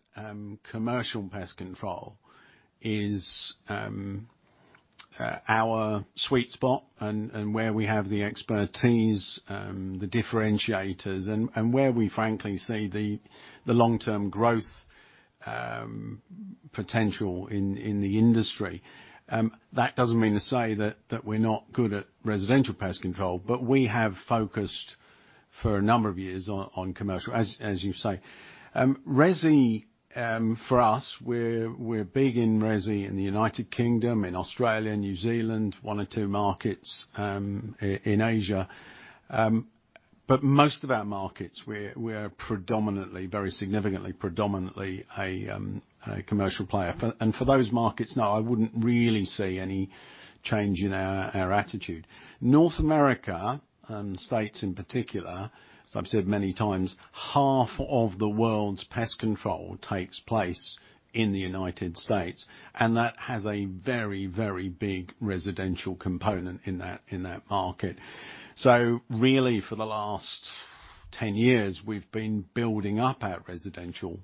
commercial pest control is our sweet spot and where we have the expertise, the differentiators, and where we frankly see the long-term growth potential in the industry. That doesn't mean to say that we're not good at residential pest control, but we have focused for a number of years on commercial, as you say. Resi, for us, we're big in resi in the U.K., in Australia, New Zealand, one or two markets in Asia. Most of our markets, we are predominantly, very significantly predominantly a commercial player. For those markets now, I wouldn't really see any change in our attitude. North America, and U.S. in particular, as I've said many times, half of the world's pest control takes place in the United States, and that has a very, very big residential component in that market. Really, for the last 10 years, we've been building up our residential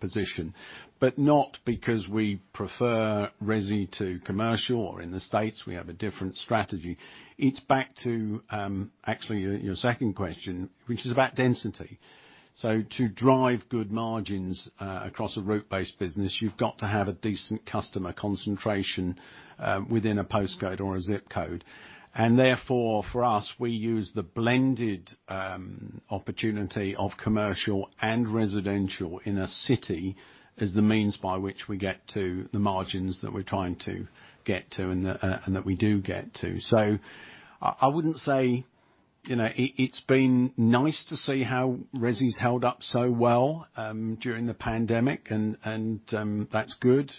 position, but not because we prefer resi to commercial, or in the States, we have a different strategy. It is back to actually your second question, which is about density. To drive good margins across a route-based business, you've got to have a decent customer concentration within a postcode or a zip code. Therefore, for us, we use the blended opportunity of commercial and residential in a city as the means by which we get to the margins that we're trying to get to and that we do get to. It's been nice to see how resi's held up so well during the pandemic. That's good.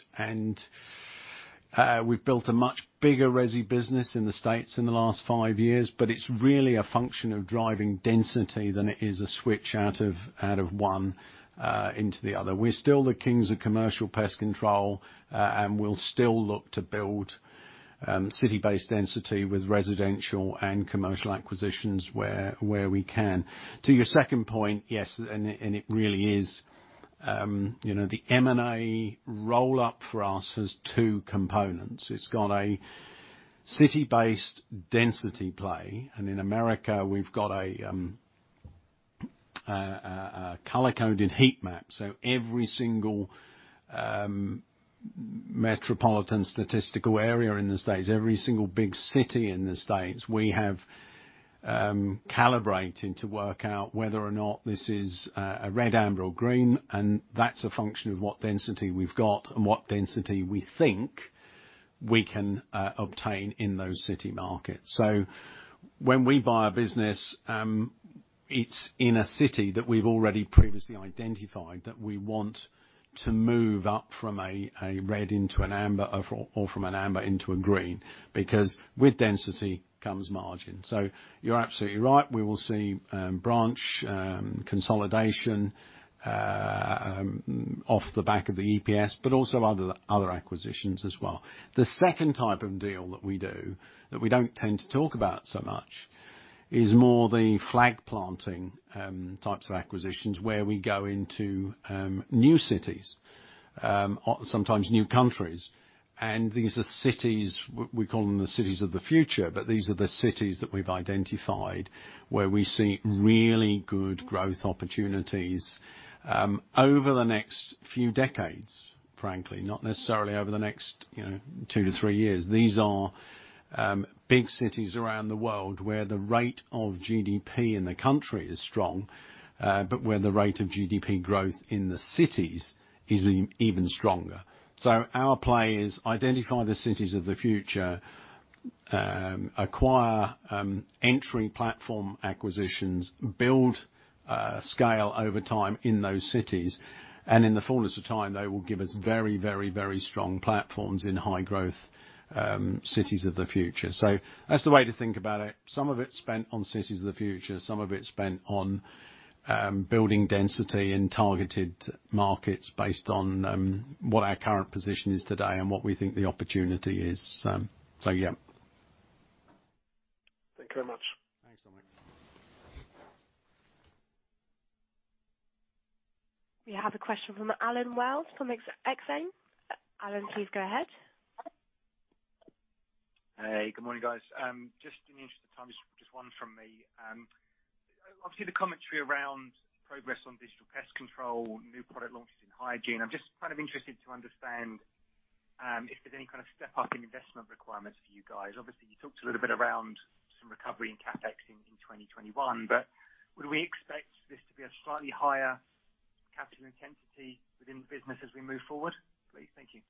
We've built a much bigger resi business in the U.S. in the last five years, but it's really a function of driving density than it is a switch out of one into the other. We're still the kings of commercial pest control. We'll still look to build city-based density with residential and commercial acquisitions where we can. To your second point, yes, it really is. The M&A roll-up for us has two components. It's got a city-based density play. In the U.S., we've got a color-coded heat map. Every single metropolitan statistical area in the U.S., every single big city in the U.S., we have calibrating to work out whether or not this is a red, amber, or green, and that's a function of what density we've got and what density we think we can obtain in those city markets. When we buy a business, it's in a city that we've already previously identified that we want to move up from a red into an amber or from an amber into a green, because with density comes margin. You're absolutely right. We will see branch consolidation off the back of the EPS, but also other acquisitions as well. The second type of deal that we do, that we don't tend to talk about so much, is more the flag planting types of acquisitions, where we go into new cities, sometimes new countries. These are cities, we call them the cities of the future, but these are the cities that we've identified where we see really good growth opportunities over the next few decades, frankly, not necessarily over the next two to three years. These are big cities around the world where the rate of GDP in the country is strong, but where the rate of GDP growth in the cities is even stronger. Our play is identify the cities of the future, acquire entry platform acquisitions, build scale over time in those cities, and in the fullness of time, they will give us very strong platforms in high growth cities of the future. That's the way to think about it. Some of it's spent on cities of the future, some of it's spent on building density in targeted markets based on what our current position is today and what we think the opportunity is. Yeah. Thank you very much. Thanks, Dominic. We have a question from Allen Wells from Exane. Allen, please go ahead. Hey, good morning, guys. Just in the interest of time, just one from me. Obviously, the commentary around progress on digital pest control, new product launches in hygiene. I'm just kind of interested to understand if there's any kind of step-up in investment requirements for you guys. Obviously, you talked a little bit around some recovery in CapEx in 2021, but would we expect this to be a slightly higher capital intensity within the business as we move forward, please? Thank you.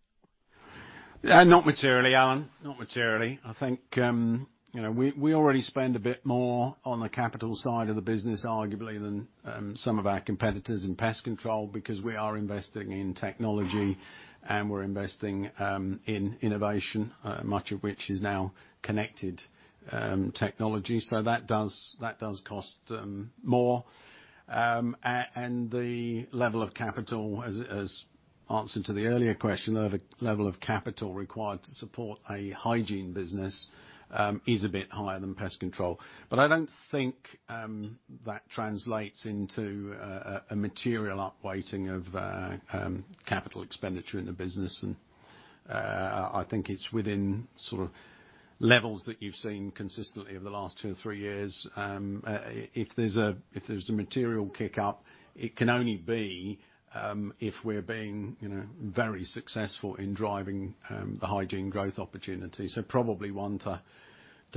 Not materially, Allen. Not materially. I think we already spend a bit more on the capital side of the business, arguably, than some of our competitors in pest control because we are investing in technology and we're investing in innovation, much of which is now connected technology. That does cost more. The level of capital, as answered to the earlier question, the level of capital required to support a hygiene business is a bit higher than pest control. I don't think that translates into a material upweighting of capital expenditure in the business. I think it's within levels that you've seen consistently over the last two or three years. If there's a material kick-up, it can only be if we're being very successful in driving the hygiene growth opportunity. Probably one to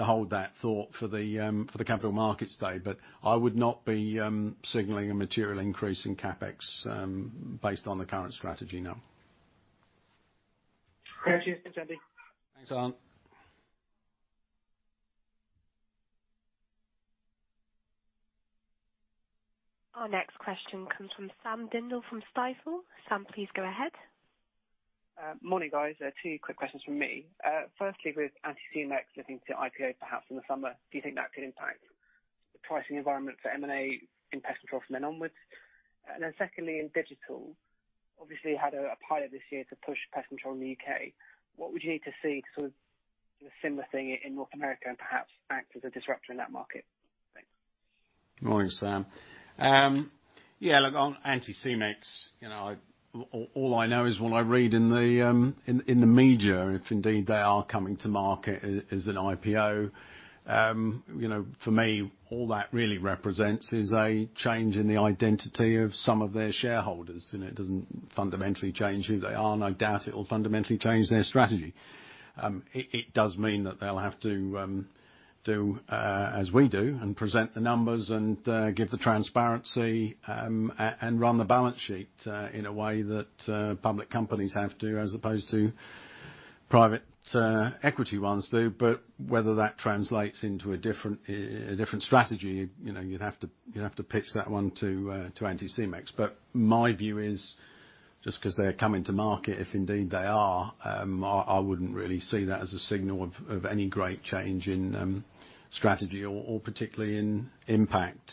hold that thought for the Capital Markets Day. I would not be signaling a material increase in CapEx based on the current strategy, no. Thank you. Thanks, Andy. Thanks, Allen. Our next question comes from Sam Dindol from Stifel. Sam, please go ahead. Morning, guys. Two quick questions from me. Firstly, with Anticimex looking to IPO perhaps in the summer, do you think that could impact the pricing environment for M&A in pest control from then onwards? Secondly, in digital, obviously had a pilot this year to push pest control in the U.K. What would you need to see a similar thing in North America and perhaps act as a disruptor in that market? Thanks. Morning, Sam. Yeah, look, on Anticimex, all I know is what I read in the media, if indeed they are coming to market as an IPO. For me, all that really represents is a change in the identity of some of their shareholders, and it doesn't fundamentally change who they are. No doubt it will fundamentally change their strategy. It does mean that they'll have to do as we do and present the numbers and give the transparency, and run the balance sheet in a way that public companies have to, as opposed to private equity ones do. Whether that translates into a different strategy, you'd have to pitch that one to Anticimex. My view is just because they're coming to market, if indeed they are, I wouldn't really see that as a signal of any great change in strategy or particularly in impact.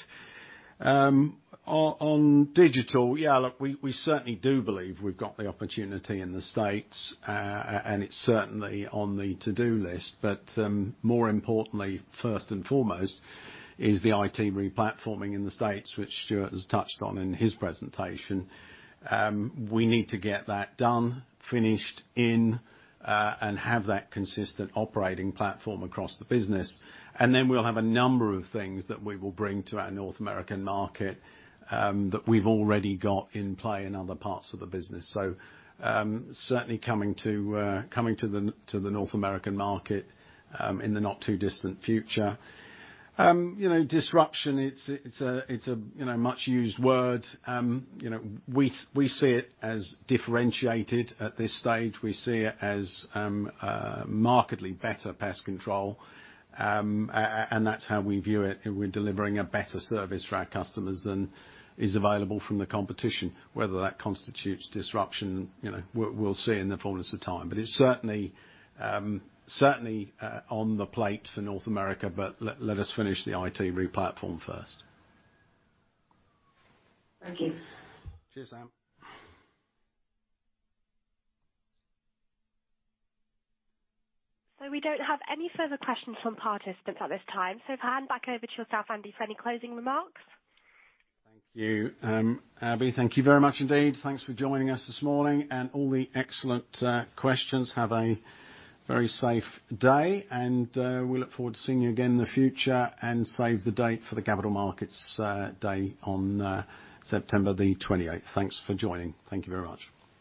On digital, yeah, look, we certainly do believe we've got the opportunity in the U.S., it's certainly on the to-do list. More importantly, first and foremost is the IT replatforming in the U.S., which Stuart has touched on in his presentation. We need to get that done, have that consistent operating platform across the business. We'll have a number of things that we will bring to our North American market that we've already got in play in other parts of the business. Certainly coming to the North American market in the not-too-distant future. Disruption, it's a much used word. We see it as differentiated at this stage. We see it as markedly better pest control. That's how we view it. We're delivering a better service for our customers than is available from the competition. Whether that constitutes disruption, we'll see in the fullness of time. It's certainly on the plate for North America, but let us finish the IT replatform first. Thank you. Cheers, Sam. We don't have any further questions from participants at this time. If I hand back over to yourself, Andy, for any closing remarks. Thank you, Andy. Thank you very much indeed. Thanks for joining us this morning and all the excellent questions. Have a very safe day, and we look forward to seeing you again in the future. Save the date for the Capital Markets Day on September the 28th. Thanks for joining. Thank you very much.